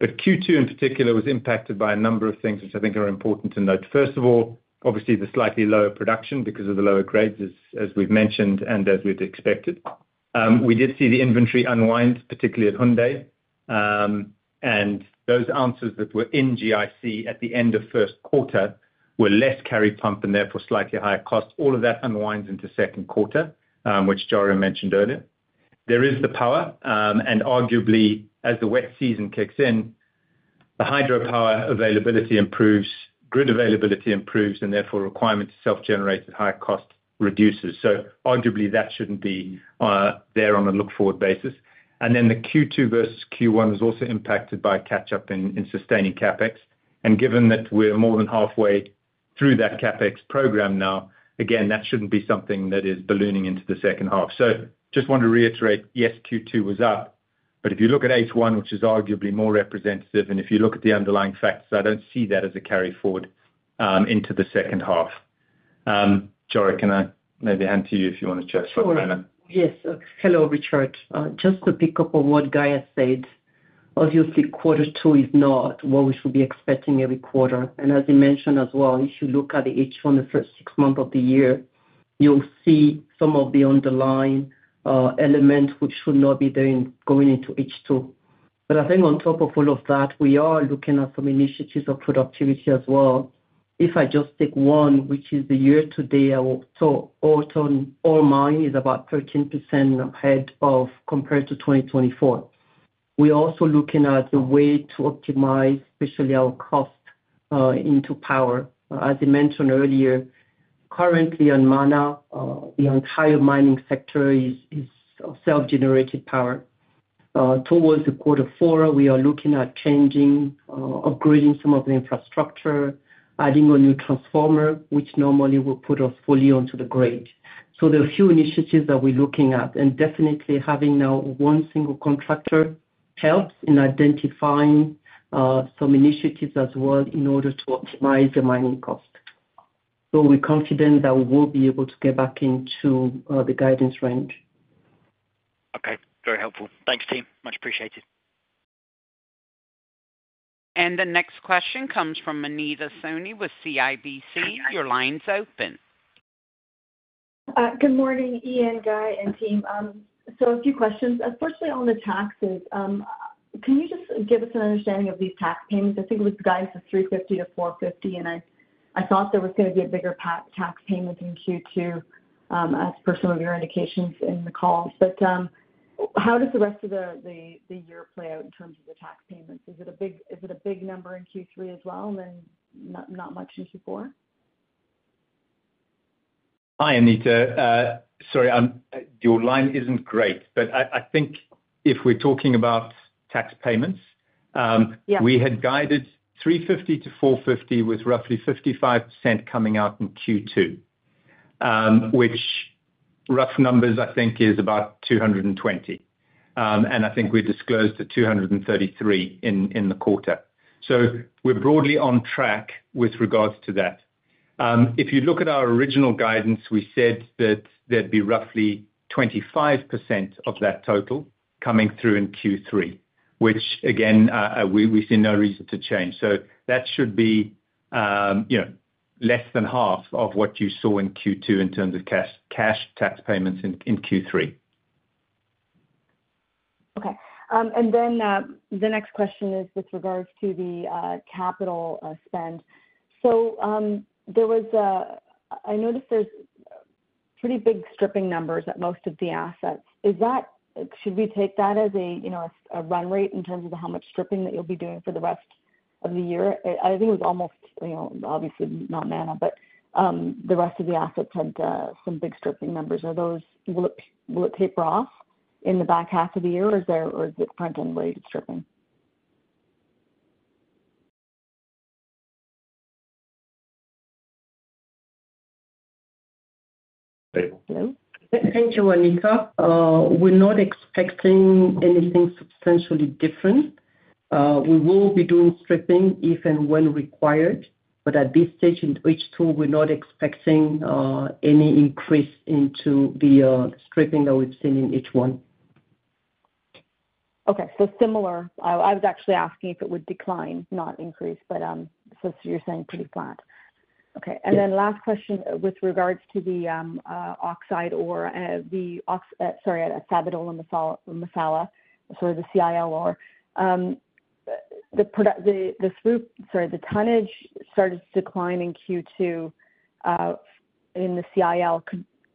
Q2 in particular was impacted by a number of things which I think are important to note. First of all, obviously the slightly lower production because of the lower grades, as we've mentioned and as we'd expected. We did see the inventory unwind, particularly at Funday, and those ounces that were in gold-in-circuit at the end of first quarter were less carry pumped and therefore slightly higher cost. All of that unwinds into second quarter, which Djaria mentioned earlier. There is the power, and arguably, as the wet season kicks in, the hydropower availability improves, grid availability improves, and therefore requirement to self-generate at higher cost reduces. Arguably, that shouldn't be there on a look-forward basis. The Q2 versus Q1 was also impacted by catch-up in sustaining CapEx. Given that we're more than halfway through that CapEx program now, that shouldn't be something that is ballooning into the second half. I just want to reiterate, yes, Q2 was up, but if you look at H1, which is arguably more representative, and if you look at the underlying facts, I don't see that as a carry forward into the second half. Djaria, can I maybe hand to you if you want tochat for the moment. Sure. Yes. Hello, Richard. Just to pick up on what Guy has said, obviously, quarter two is not what we should be expecting every quarter. As he mentioned as well, if you look at the H1, the first six months of the year, you'll see some of the underlying elements which should not be going into H2. I think on top of all of that, we are looking at some initiatives of productivity as well. If I just take one, which is the year-to-date, our all-in all mine is about 13% ahead of compared to 2024. We are also looking at the way to optimize especially our cost into power. As I mentioned earlier, currently on Mana, the entire mining sector is self-generated power. Towards quarter four, we are looking at changing, upgrading some of the infrastructure, adding a new transformer, which normally will put us fully onto the grid. There are a few initiatives that we're looking at. Definitely, having now one single contractor helps in identifying some initiatives as well in order to optimize the mining cost. We're confident that we will be able to get back into the guidance range. Okay. Very helpful. Thanks, team. Much appreciated. The next question comes from Anita Soni with CIBC. Your line's open. Good morning, Ian, Guy, and team. A few questions. Firstly, on the taxes, can you just give us an understanding of these tax payments? I think it was guidance of $350 million-$450 million, and I thought there was going to be a bigger tax payment in Q2 as per some of your indications in the calls. How does the rest of the year play out in terms of the tax payments? Is it a big number in Q3 as well, and then not much in Q4? Hi, Anita. Sorry, your line isn't great, but I think if we're talking about tax payments, we had guided $350 million-$450 million with roughly 55% coming out in Q2, which, rough numbers, I think, is about $220 million. I think we disclosed at $233 million in the quarter. We're broadly on track with regards to that. If you look at our original guidance, we said that there'd be roughly 25% of that total coming through in Q3, which, again, we see no reason to change. That should be less than half of what you saw in Q2 in terms of cash tax payments in Q3. Okay. The next question is with regards to the capital spend. I noticed there's pretty big stripping numbers at most of the assets. Should we take that as a run rate in terms of how much stripping that you'll be doing for the rest of the year? I think it was almost, obviously, not Mana, but the rest of the assets had some big stripping numbers. Will it taper off in the back half of the year, or is it front-end related stripping? Thank you, Anita. We're not expecting anything substantially different. We will be doing stripping if and when required. At this stage in H2, we're not expecting any increase into the stripping that we've seen in H1. Okay. Similar, I was actually asking if it would decline, not increase, but you're saying pretty flat. Okay. Last question with regards to the oxide ore, sorry, at Sabodala-Massawa, sort of the CIL ore. The tonnage started to decline in Q2 in the CIL.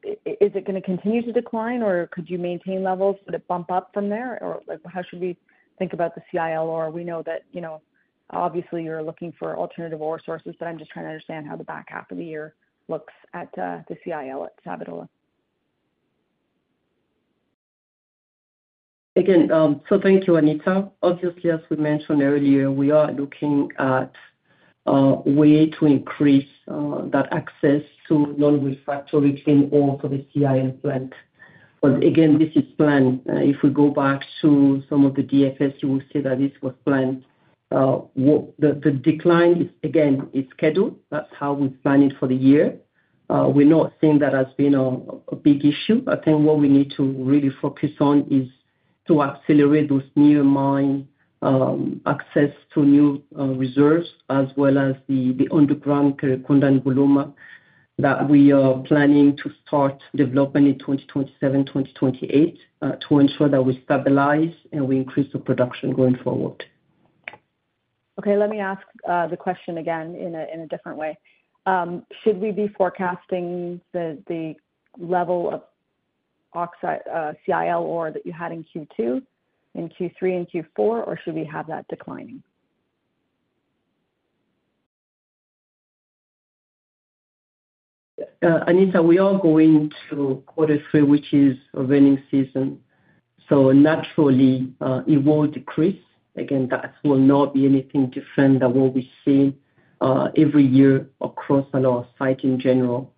Is it going to continue to decline, or could you maintain levels? Would it bump up from there, or how should we think about the CIL ore? We know that, you know, obviously, you're looking for alternative ore sources, but I'm just trying to understand how the back half of the year looks at the CIL at Sabodala. Thank you, Anita. Obviously, as we mentioned earlier, we are looking at a way to increase that access to non-refractory clean ore for the CIL plant. This is planned. If we go back to some of the definitive feasibility studies, you will see that this was planned. The decline is scheduled. That's how we're planning for the year. We're not seeing that as being a big issue. I think what we need to really focus on is to accelerate those near mine access to new reserves, as well as the underground Kerekounda and Golouma that we are planning to start developing in 2027, 2028 to ensure that we stabilize and we increase the production going forward. Okay. Let me ask the question again in a different way. Should we be forecasting the level of CIL ore that you had in Q2, in Q3, and Q4, or should we have that declining? Anita, we are going to quarter three, which is a wedding season. Naturally, it will decrease. That will not be anything different than what we've seen every year across a lot of sites in general.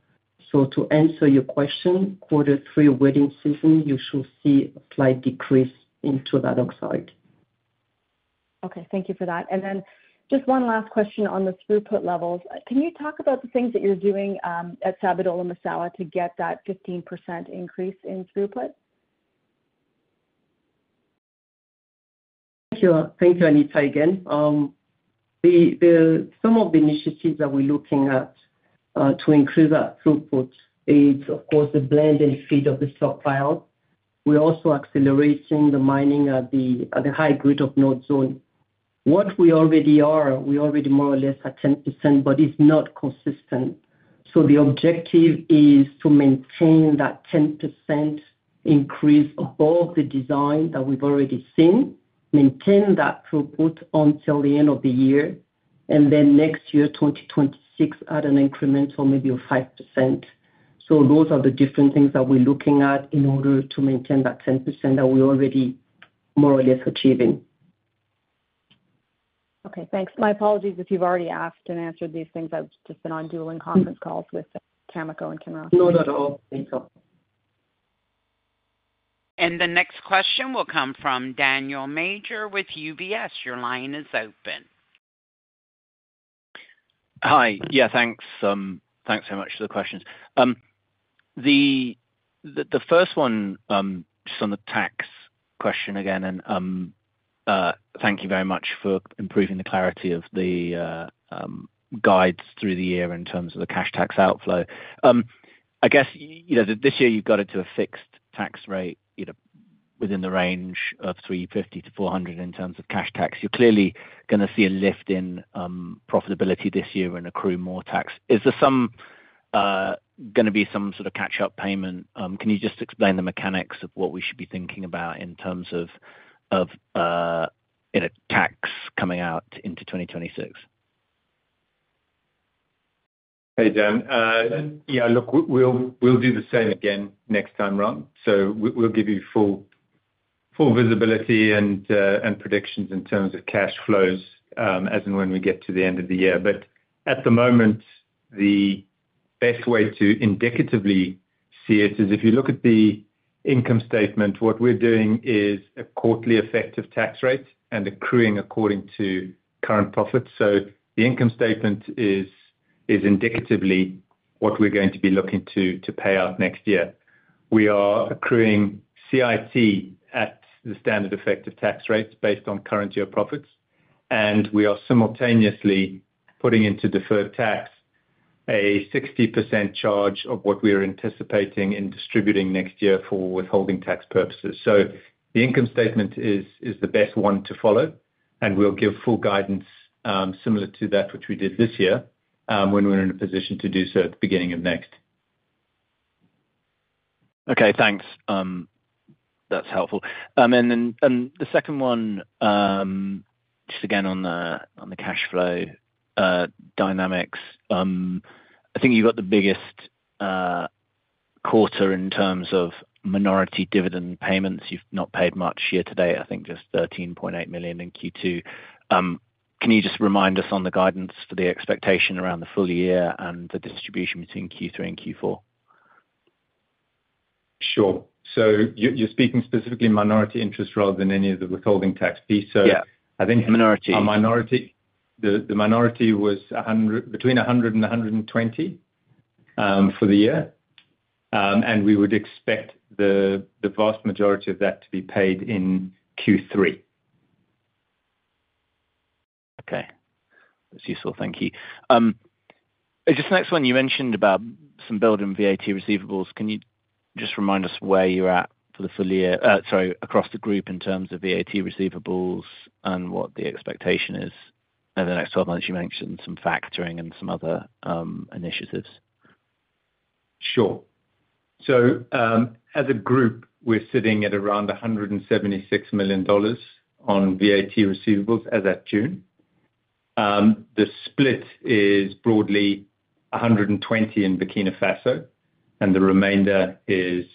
To answer your question, quarter three wedding season, you should see a slight decrease into that oxide. Okay. Thank you for that. Just one last question on the throughput levels. Can you talk about the things that you're doing at Sabodala-Massawa to get that 15% increase in throughput? Thank you. Thank you, Anita, again. Some of the initiatives that we're looking at to increase that throughput is, of course, the blend and feed of the stockpile. We're also accelerating the mining at the high grade of North Zone. We already are more or less at 10%, but it's not consistent. The objective is to maintain that 10% increase above the design that we've already seen, maintain that throughput until the end of the year, and then next year, 2026, add an increment of maybe 5%. Those are the different things that we're looking at in order to maintain that 10% that we're already more or less achieving. Okay. Thanks. My apologies if you've already asked and answered these things. I've just been on dueling conference calls with Tamiko and Kenra. Not at all, Anita. The next question will come from Daniel Major with UBS. Your line is open. Hi. Yeah, thanks. Thanks very much for the questions. The first one is on the tax question again, and thank you very much for improving the clarity of the guides through the year in terms of the cash tax outflow. I guess you know that this year you've got it to a fixed tax rate within the range of $350 million-$400 million in terms of cash tax. You're clearly going to see a lift in profitability this year and accrue more tax. Is there going to be some sort of catch-up payment? Can you just explain the mechanics of what we should be thinking about in terms of tax coming out into 2026? Hey, Dan. Yeah, look, we'll do the same again next time round. We'll give you full visibility and predictions in terms of cash flows as and when we get to the end of the year. At the moment, the best way to indicatively see it is if you look at the income statement, what we're doing is a quarterly effective tax rate and accruing according to current profits. The income statement is indicatively what we're going to be looking to pay out next year. We are accruing CIT at the standard effective tax rates based on current year profits, and we are simultaneously putting into deferred tax a 60% charge of what we are anticipating in distributing next year for withholding tax purposes. The income statement is the best one to follow, and we'll give full guidance similar to that which we did this year when we're in a position to do so at the beginning of next. Okay, thanks. That's helpful. The second one, just again on the cash flow dynamics, I think you've got the biggest quarter in terms of minority dividend payments. You've not paid much year-to-date, I think just $13.8 million in Q2. Can you just remind us on the guidance for the expectation around the full year and the distribution between Q3 and Q4? Sure. You're speaking specifically minority interest rather than any of the withholding tax fees. Yeah, minority. I think the minority was between $100 million and $120 million for the year, and we would expect the vast majority of that to be paid in Q3. Okay. That's useful, thank you. Just the next one, you mentioned about some building VAT receivables. Can you just remind us where you're at for the full year? Sorry, across the group in terms of VAT receivables and what the expectation is over the next 12 months? You mentioned some factoring and some other initiatives. Sure. As a group, we're sitting at around $176 million on VAT receivables as of June. The split is broadly $120 million in Burkina Faso, and the remainder is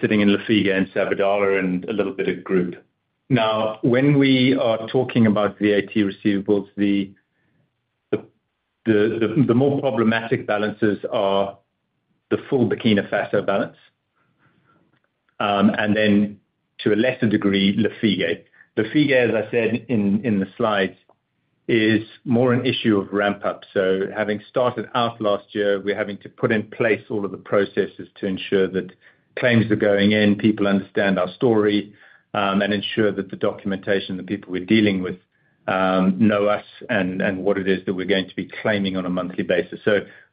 sitting in Lafigué, in Sabodala-Massawa, and a little bit at group. When we are talking about VAT receivables, the more problematic balances are the full Burkina Faso balance, and then to a lesser degree, Lafigué. Lafigué, as I said in the slides, is more an issue of ramp-up. Having started out last year, we're having to put in place all of the processes to ensure that claims are going in, people understand our story, and ensure that the documentation and the people we're dealing with know us and what it is that we're going to be claiming on a monthly basis.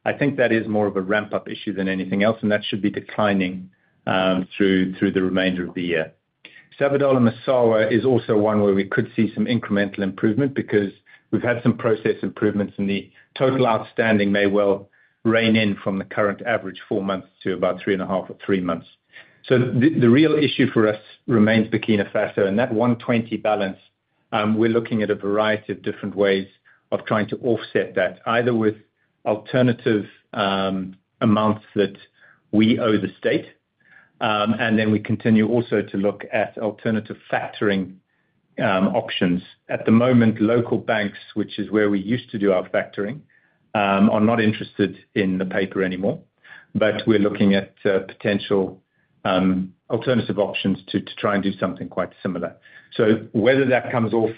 I think that is more of a ramp-up issue than anything else, and that should be declining through the remainder of the year. Sabodala-Massawa is also one where we could see some incremental improvement because we've had some process improvements, and the total outstanding may well rein in from the current average four months to about three and a half or three months. The real issue for us remains Burkina Faso, and that $120 million balance. We're looking at a variety of different ways of trying to offset that, either with alternative amounts that we owe the state, and we continue also to look at alternative factoring options. At the moment, local banks, which is where we used to do our factoring, are not interested in the paper anymore, but we're looking at potential alternative options to try and do something quite similar. Whether that comes off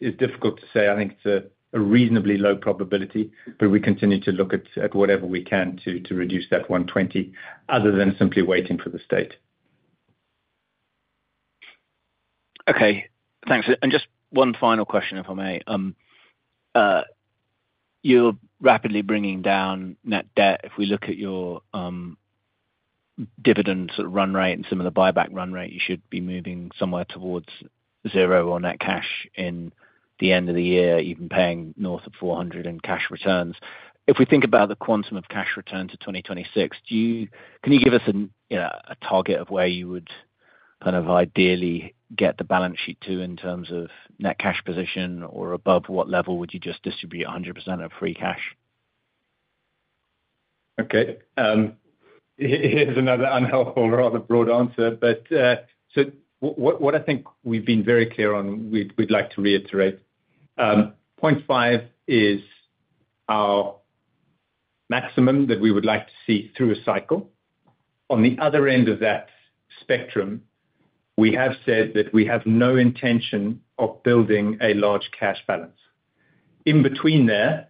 is difficult to say. I think it's a reasonably low probability, but we continue to look at whatever we can to reduce that $120 million other than simply waiting for the state. Okay, thanks. Just one final question, if I may. You're rapidly bringing down net debt. If we look at your dividends run rate and some of the buyback run rate, you should be moving somewhere towards zero or net cash at the end of the year, even paying north of $400 million in cash returns. If we think about the quantum of cash return to 2026, can you give us a target of where you would kind of ideally get the balance sheet to in terms of net cash position, or above what level would you just distribute 100% of free cash? Okay. Here's another unhelpful, rather broad answer. What I think we've been very clear on, we'd like to reiterate. 0.5 is our maximum that we would like to see through a cycle. On the other end of that spectrum, we have said that we have no intention of building a large cash balance. In between there,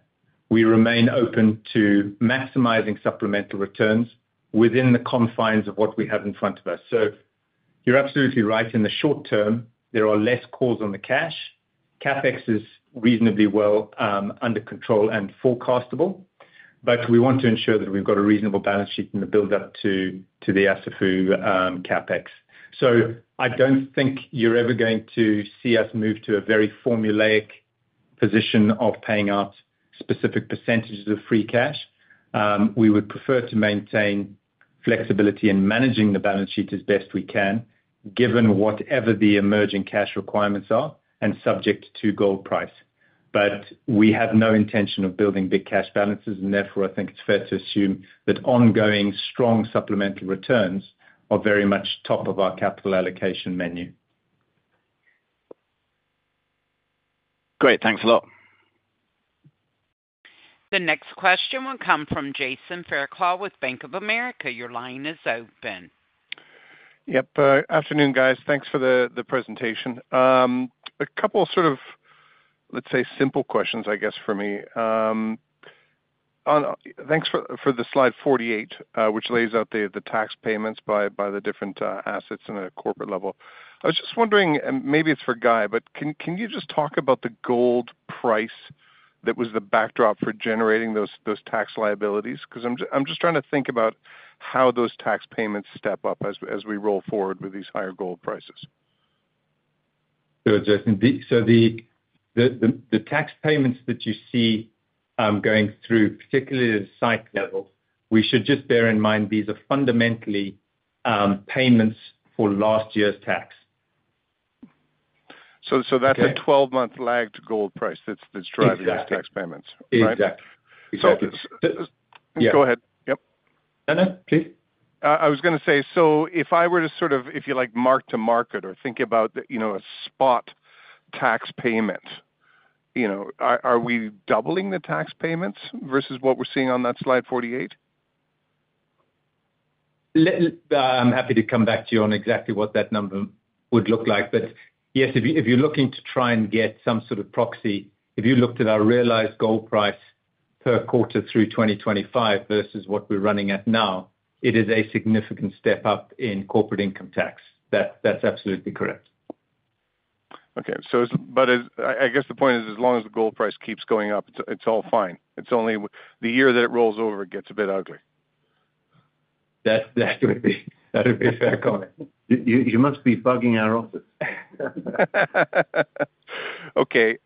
we remain open to maximizing supplemental returns within the confines of what we have in front of us. You're absolutely right. In the short-term, there are less calls on the cash. CapEx is reasonably well under control and forecastable, but we want to ensure that we've got a reasonable balance sheet in the build-up to the Assafou CapEx. I don't think you're ever going to see us move to a very formulaic position of paying out specific percentage of free cash. We would prefer to maintain flexibility in managing the balance sheet as best we can, given whatever the emerging cash requirements are and subject to gold price. We have no intention of building big cash balances, and therefore, I think it's fair to assume that ongoing strong supplemental returns are very much top of our capital allocation menu. Great, thanks a lot. The next question will come from Jason Fairclough with Bank of America. Your line is open. Afternoon, guys. Thanks for the presentation. A couple sort of, let's say, simple questions, I guess, for me. Thanks for the slide 48, which lays out the tax payments by the different assets in a corporate level. I was just wondering, and maybe it's for Guy, but can you just talk about the gold price that was the backdrop for generating those tax liabilities? I'm just trying to think about how those tax payments step up as we roll forward with these higher gold prices. Sure, Jason. The tax payments that you see going through, particularly at a site level, we should just bear in mind these are fundamentally payments for last year's tax. That's a 12-month lag to gold price that's driving those tax payments, right? Exactly. If it's go ahead, yep. No, no, please. If I were to sort of, if you like, mark to market or think about a spot tax payment, are we doubling the tax payments versus what we're seeing on that slide 48? I'm happy to come back to you on exactly what that number would look like. Yes, if you're looking to try and get some sort of proxy, if you looked at our realized gold price per quarter through 2025 versus what we're running at now, it is a significant step up in corporate income tax. That's absolutely correct. I guess the point is, as long as the gold price keeps going up, it's all fine. It's only the year that it rolls over, it gets a bit ugly. That would be a fair comment. You must be bugging our office. Okay.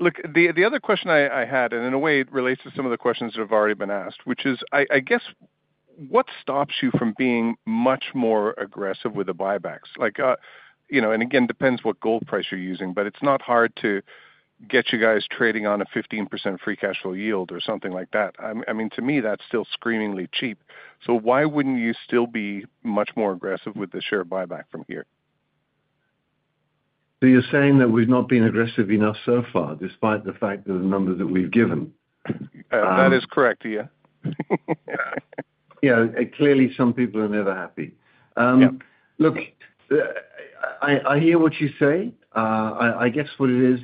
Look, the other question I had, and in a way, it relates to some of the questions that have already been asked, which is, I guess, what stops you from being much more aggressive with the buybacks? Like, you know, it depends what gold price you're using, but it's not hard to get you guys trading on a 15% free cash flow yield or something like that. I mean, to me, that's still screamingly cheap. Why wouldn't you still be much more aggressive with the share buyback from here? You're saying that we've not been aggressive enough so far, despite the fact that the number that we've given? That is correct, yeah. Yeah. Clearly, some people are never happy. Look, I hear what you say. I guess what it is,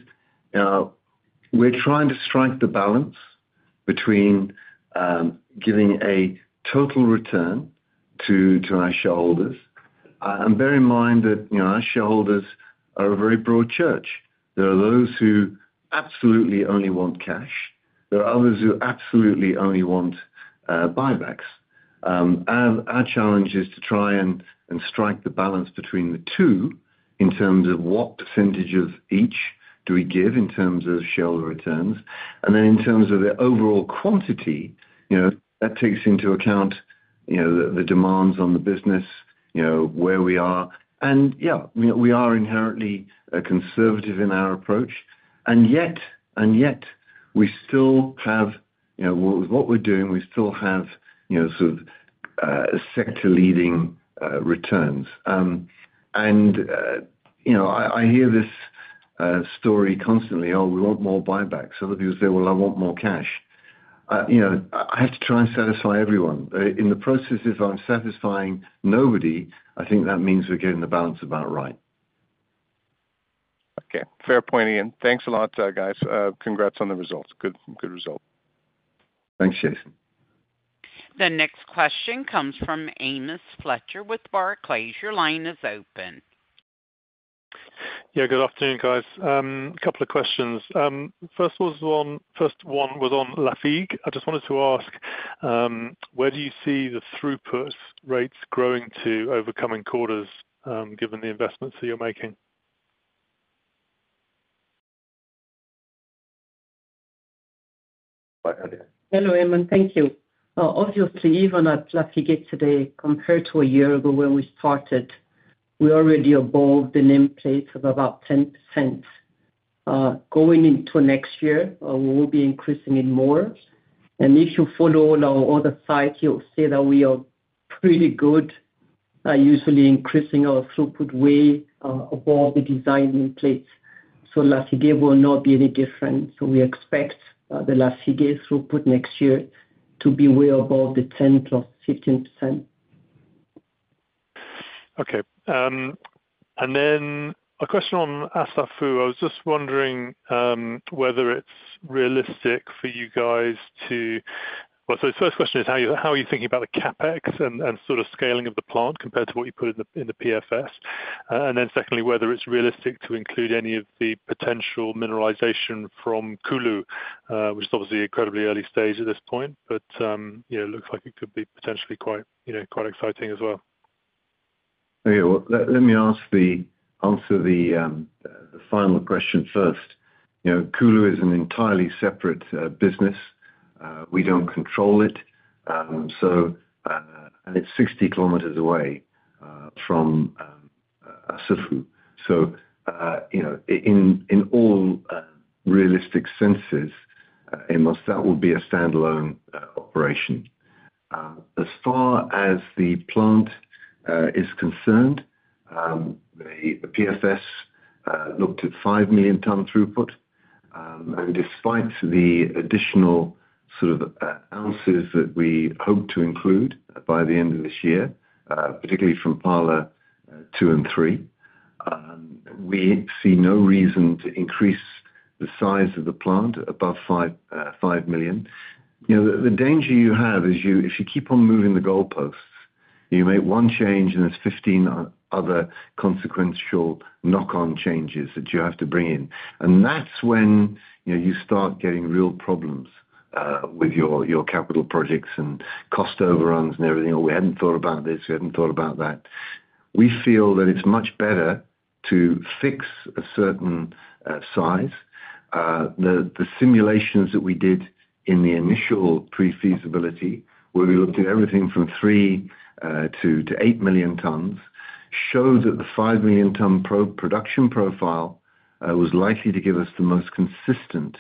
we're trying to strike the balance between giving a total return to our shareholders. Bear in mind that our shareholders are a very broad church. There are those who absolutely only want cash. There are others who absolutely only want buybacks. Our challenge is to try and strike the balance between the two in terms of what percentage of each do we give in terms of shareholder returns. In terms of the overall quantity, that takes into account the demands on the business, where we are. Yeah, we are inherently conservative in our approach. Yet, we still have, with what we're doing, we still have sort of sector-leading returns. I hear this story constantly, "Oh, we want more buybacks." Other people say, "Well, I want more cash." I have to try and satisfy everyone. In the process, if I'm satisfying nobody, I think that means we're getting the balance about right. Okay. Fair point, Ian. Thanks a lot, guys. Congrats on the results. Good result. Thanks, Jason. The next question comes from Amos Fletcher with Barclays. Your line is open. Yeah, good afternoon, guys. A couple of questions. First one was on Sabodala-Massawa. I just wanted to ask, where do you see the throughput rates growing to over coming quarters, given the investments that you're making? Hello, Emma. Thank you. Obviously, even at Lafiga today, compared to a year ago when we started, we already evolved in place of about 10%. Going into next year, we will be increasing it more. If you follow all our other sites, you'll see that we are pretty good, usually increasing our throughput way above the design in place. Lafiga will not be any different. We expect the Lafiga throughput next year to be way above the 10%+15%. Okay. A question on Assafou. Is it realistic for you guys to, how are you thinking about the CapEx and sort of scaling of the plant compared to what you put in the PFS? Secondly, is it realistic to include any of the potential mineralization from Koulou, which is obviously an incredibly early stage at this point, but it looks like it could be potentially quite exciting as well. Okay. Let me answer the final question first. Koulou is an entirely separate business. We don't control it, and it's 60 km away from Assafou. In all realistic senses, Emma, that would be a standalone operation. As far as the plant is concerned, the PFS looked at 5 million tonnes throughput. Despite the additional sort of ounces that we hope to include by the end of this year, particularly from Parlour Two and Three, we see no reason to increase the size of the plant above 5 million. The danger you have is if you keep on moving the goalposts, you make one change and there's 15 other consequential knock-on changes that you have to bring in. That's when you start getting real problems with your capital projects and cost overruns and everything. Oh, we hadn't thought about this. We hadn't thought about that. We feel that it's much better to fix a certain size. The simulations that we did in the initial pre-feasibility, where we looked at everything from 3 million-8 million tonnes, showed that the 5 million tonne production profile was likely to give us the most consistent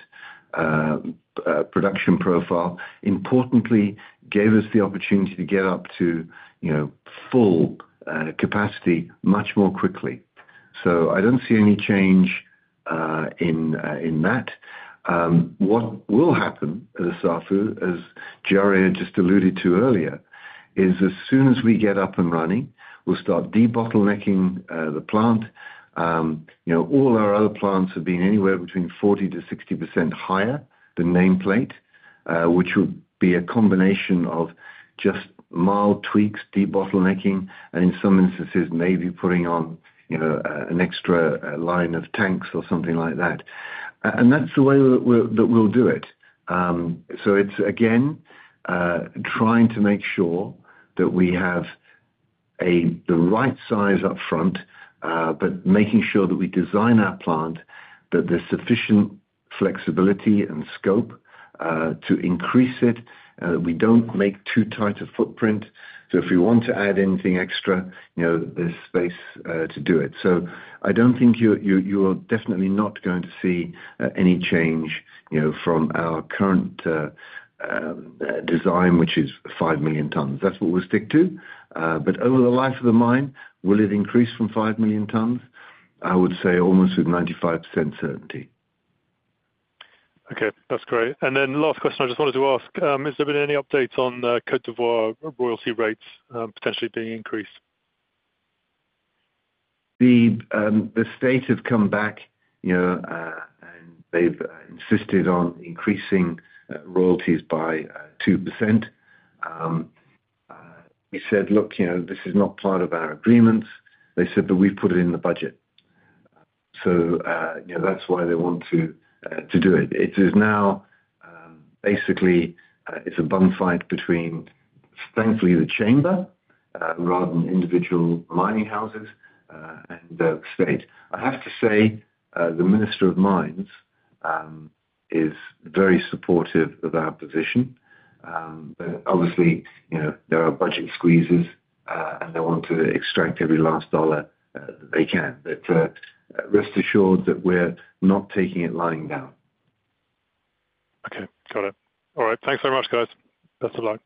production profile. Importantly, it gave us the opportunity to get up to full capacity much more quickly. I don't see any change in that. What will happen at Assafou, as Djaria just alluded to earlier, is as soon as we get up and running, we'll start debottlenecking the plant. All our other plants have been anywhere between 40%-60% higher than nameplate, which would be a combination of just mild tweaks, debottlenecking, and in some instances, maybe putting on an extra line of tanks or something like that. That's the way that we'll do it. It's, again, trying to make sure that we have the right size upfront, but making sure that we design our plant so there's sufficient flexibility and scope to increase it, that we don't make too tight a footprint. If we want to add anything extra, there's space to do it. I don't think you're definitely not going to see any change from our current design, which is 5 million tonnes. That's what we'll stick to. Over the life of the mine, will it increase from 5 million tonnes? I would say almost with 95% certainty. Okay. That's great. Last question, I just wanted to ask, has there been any updates on Côte d’Ivoire royalty rates potentially being increased? The state have come back, and they've insisted on increasing royalties by 2%. We said, "Look, this is not part of our agreements," they said, "but we've put it in the budget." That is why they want to do it. It is now basically, it's a bum fight between, thankfully, the chamber rather than individual mining houses and the state. I have to say the Minister of Mines is very supportive of our position. Obviously, there are budget squeezes, and they want to extract every last dollar that they can. Rest assured that we're not taking it lying down. Okay. Got it. All right. Thanks very much, guys. Best of luck.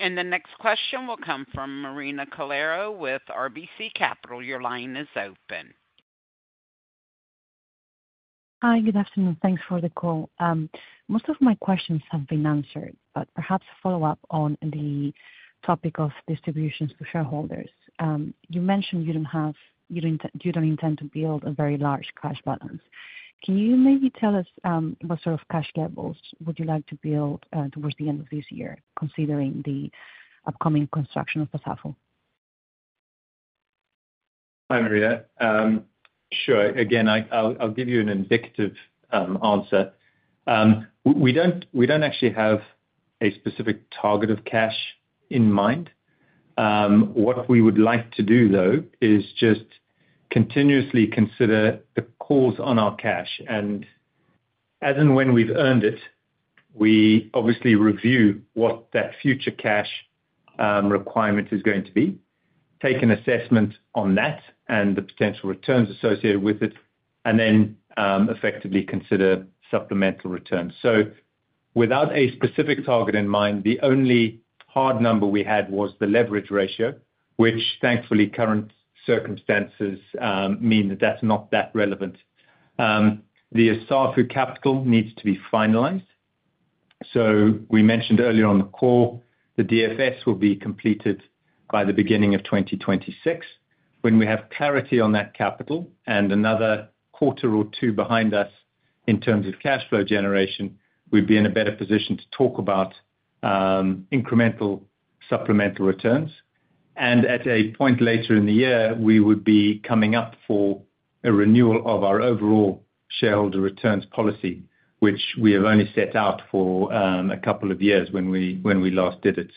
The next question will come from Marina Calero with RBC Capital. Your line is open. Hi. Good afternoon. Thanks for the call. Most of my questions have been answered, but perhaps a follow-up on the topic of distributions to shareholders. You mentioned you don't intend to build a very large cash balance. Can you maybe tell us what sort of cash levels would you like to build towards the end of this year, considering the upcoming construction of Assafou? Hi, Maria. Sure. Again, I'll give you an indicative answer. We don't actually have a specific target of cash in mind. What we would like to do, though, is just continuously consider the calls on our cash. As and when we've earned it, we obviously review what that future cash requirement is going to be, take an assessment on that and the potential returns associated with it, and then effectively consider supplemental shareholder returns. Without a specific target in mind, the only hard number we had was the leverage ratio, which thankfully current circumstances mean that that's not that relevant. The Assafou capital needs to be finalized. We mentioned earlier on the call, the definitive feasibility study will be completed by the beginning of 2026. When we have clarity on that capital and another quarter or two behind us in terms of cash flow generation, we'd be in a better position to talk about incremental supplemental shareholder returns. At a point later in the year, we would be coming up for a renewal of our overall shareholder returns policy, which we have only set out for a couple of years when we last did it.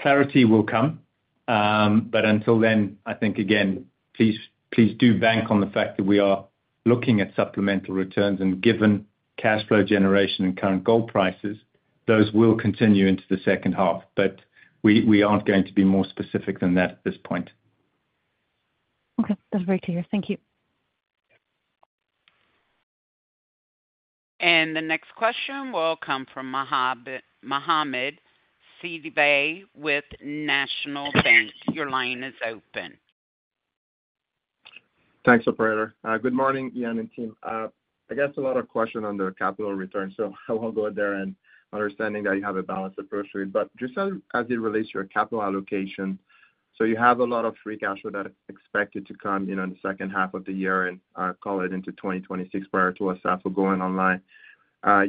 Clarity will come. Until then, I think, again, please do bank on the fact that we are looking at supplemental shareholder returns. Given cash flow generation and current gold prices, those will continue into the second half. We aren't going to be more specific than that at this point. Okay. That's very clear. Thank you. The next question will come from Mohamed Sidi Bay with National Bank. Your line is open. Thanks, operator. Good morning, Ian and team. I guess a lot of questions on the capital returns. I will go there and understanding that you have a balanced approach to it. Just as it relates to your capital allocation, you have a lot of free cash flow that is expected to come in the second half of the year and call it into 2026 prior to Assafou going online.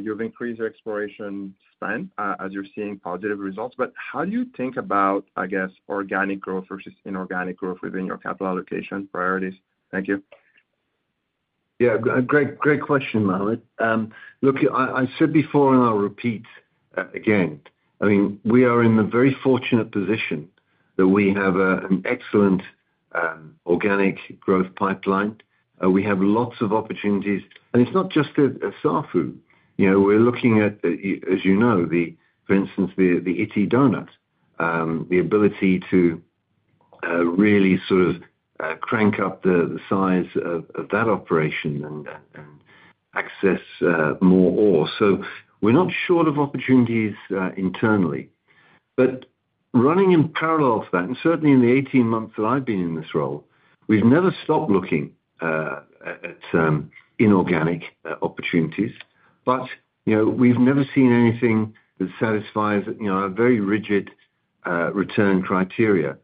You've increased your exploration spend as you're seeing positive results. How do you think about, I guess, organic growth versus inorganic growth within your capital allocation priorities? Thank you. Yeah, great question, Mohamed. Look, I said before, and I'll repeat again, I mean, we are in a very fortunate position that we have an excellent organic growth pipeline. We have lots of opportunities, and it's not just Assafou. We're looking at, as you know, for instance, the ability to really sort of crank up the size of that operation and access more ore at Sabodala-Massawa. We're not short of opportunities internally. Running in parallel to that, and certainly in the 18 months that I've been in this role, we've never stopped looking at inorganic opportunities. We've never seen anything that satisfies a very rigid return criteria.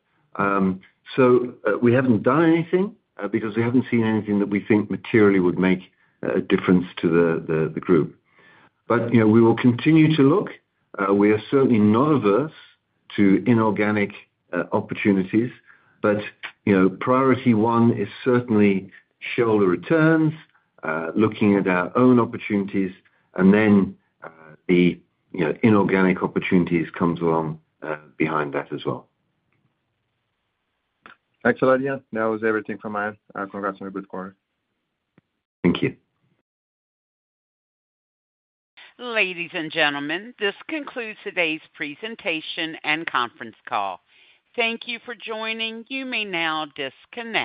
We haven't done anything because we haven't seen anything that we think materially would make a difference to the group. We will continue to look. We are certainly not averse to inorganic opportunities. Priority one is certainly shareholder returns, looking at our own opportunities, and then the inorganic opportunities come along behind that as well. Excellent, Ian. That was everything from my end. Congrats on your good quarter. Thank you. Ladies and gentlemen, this concludes today's presentation and conference call. Thank you for joining. You may now disconnect.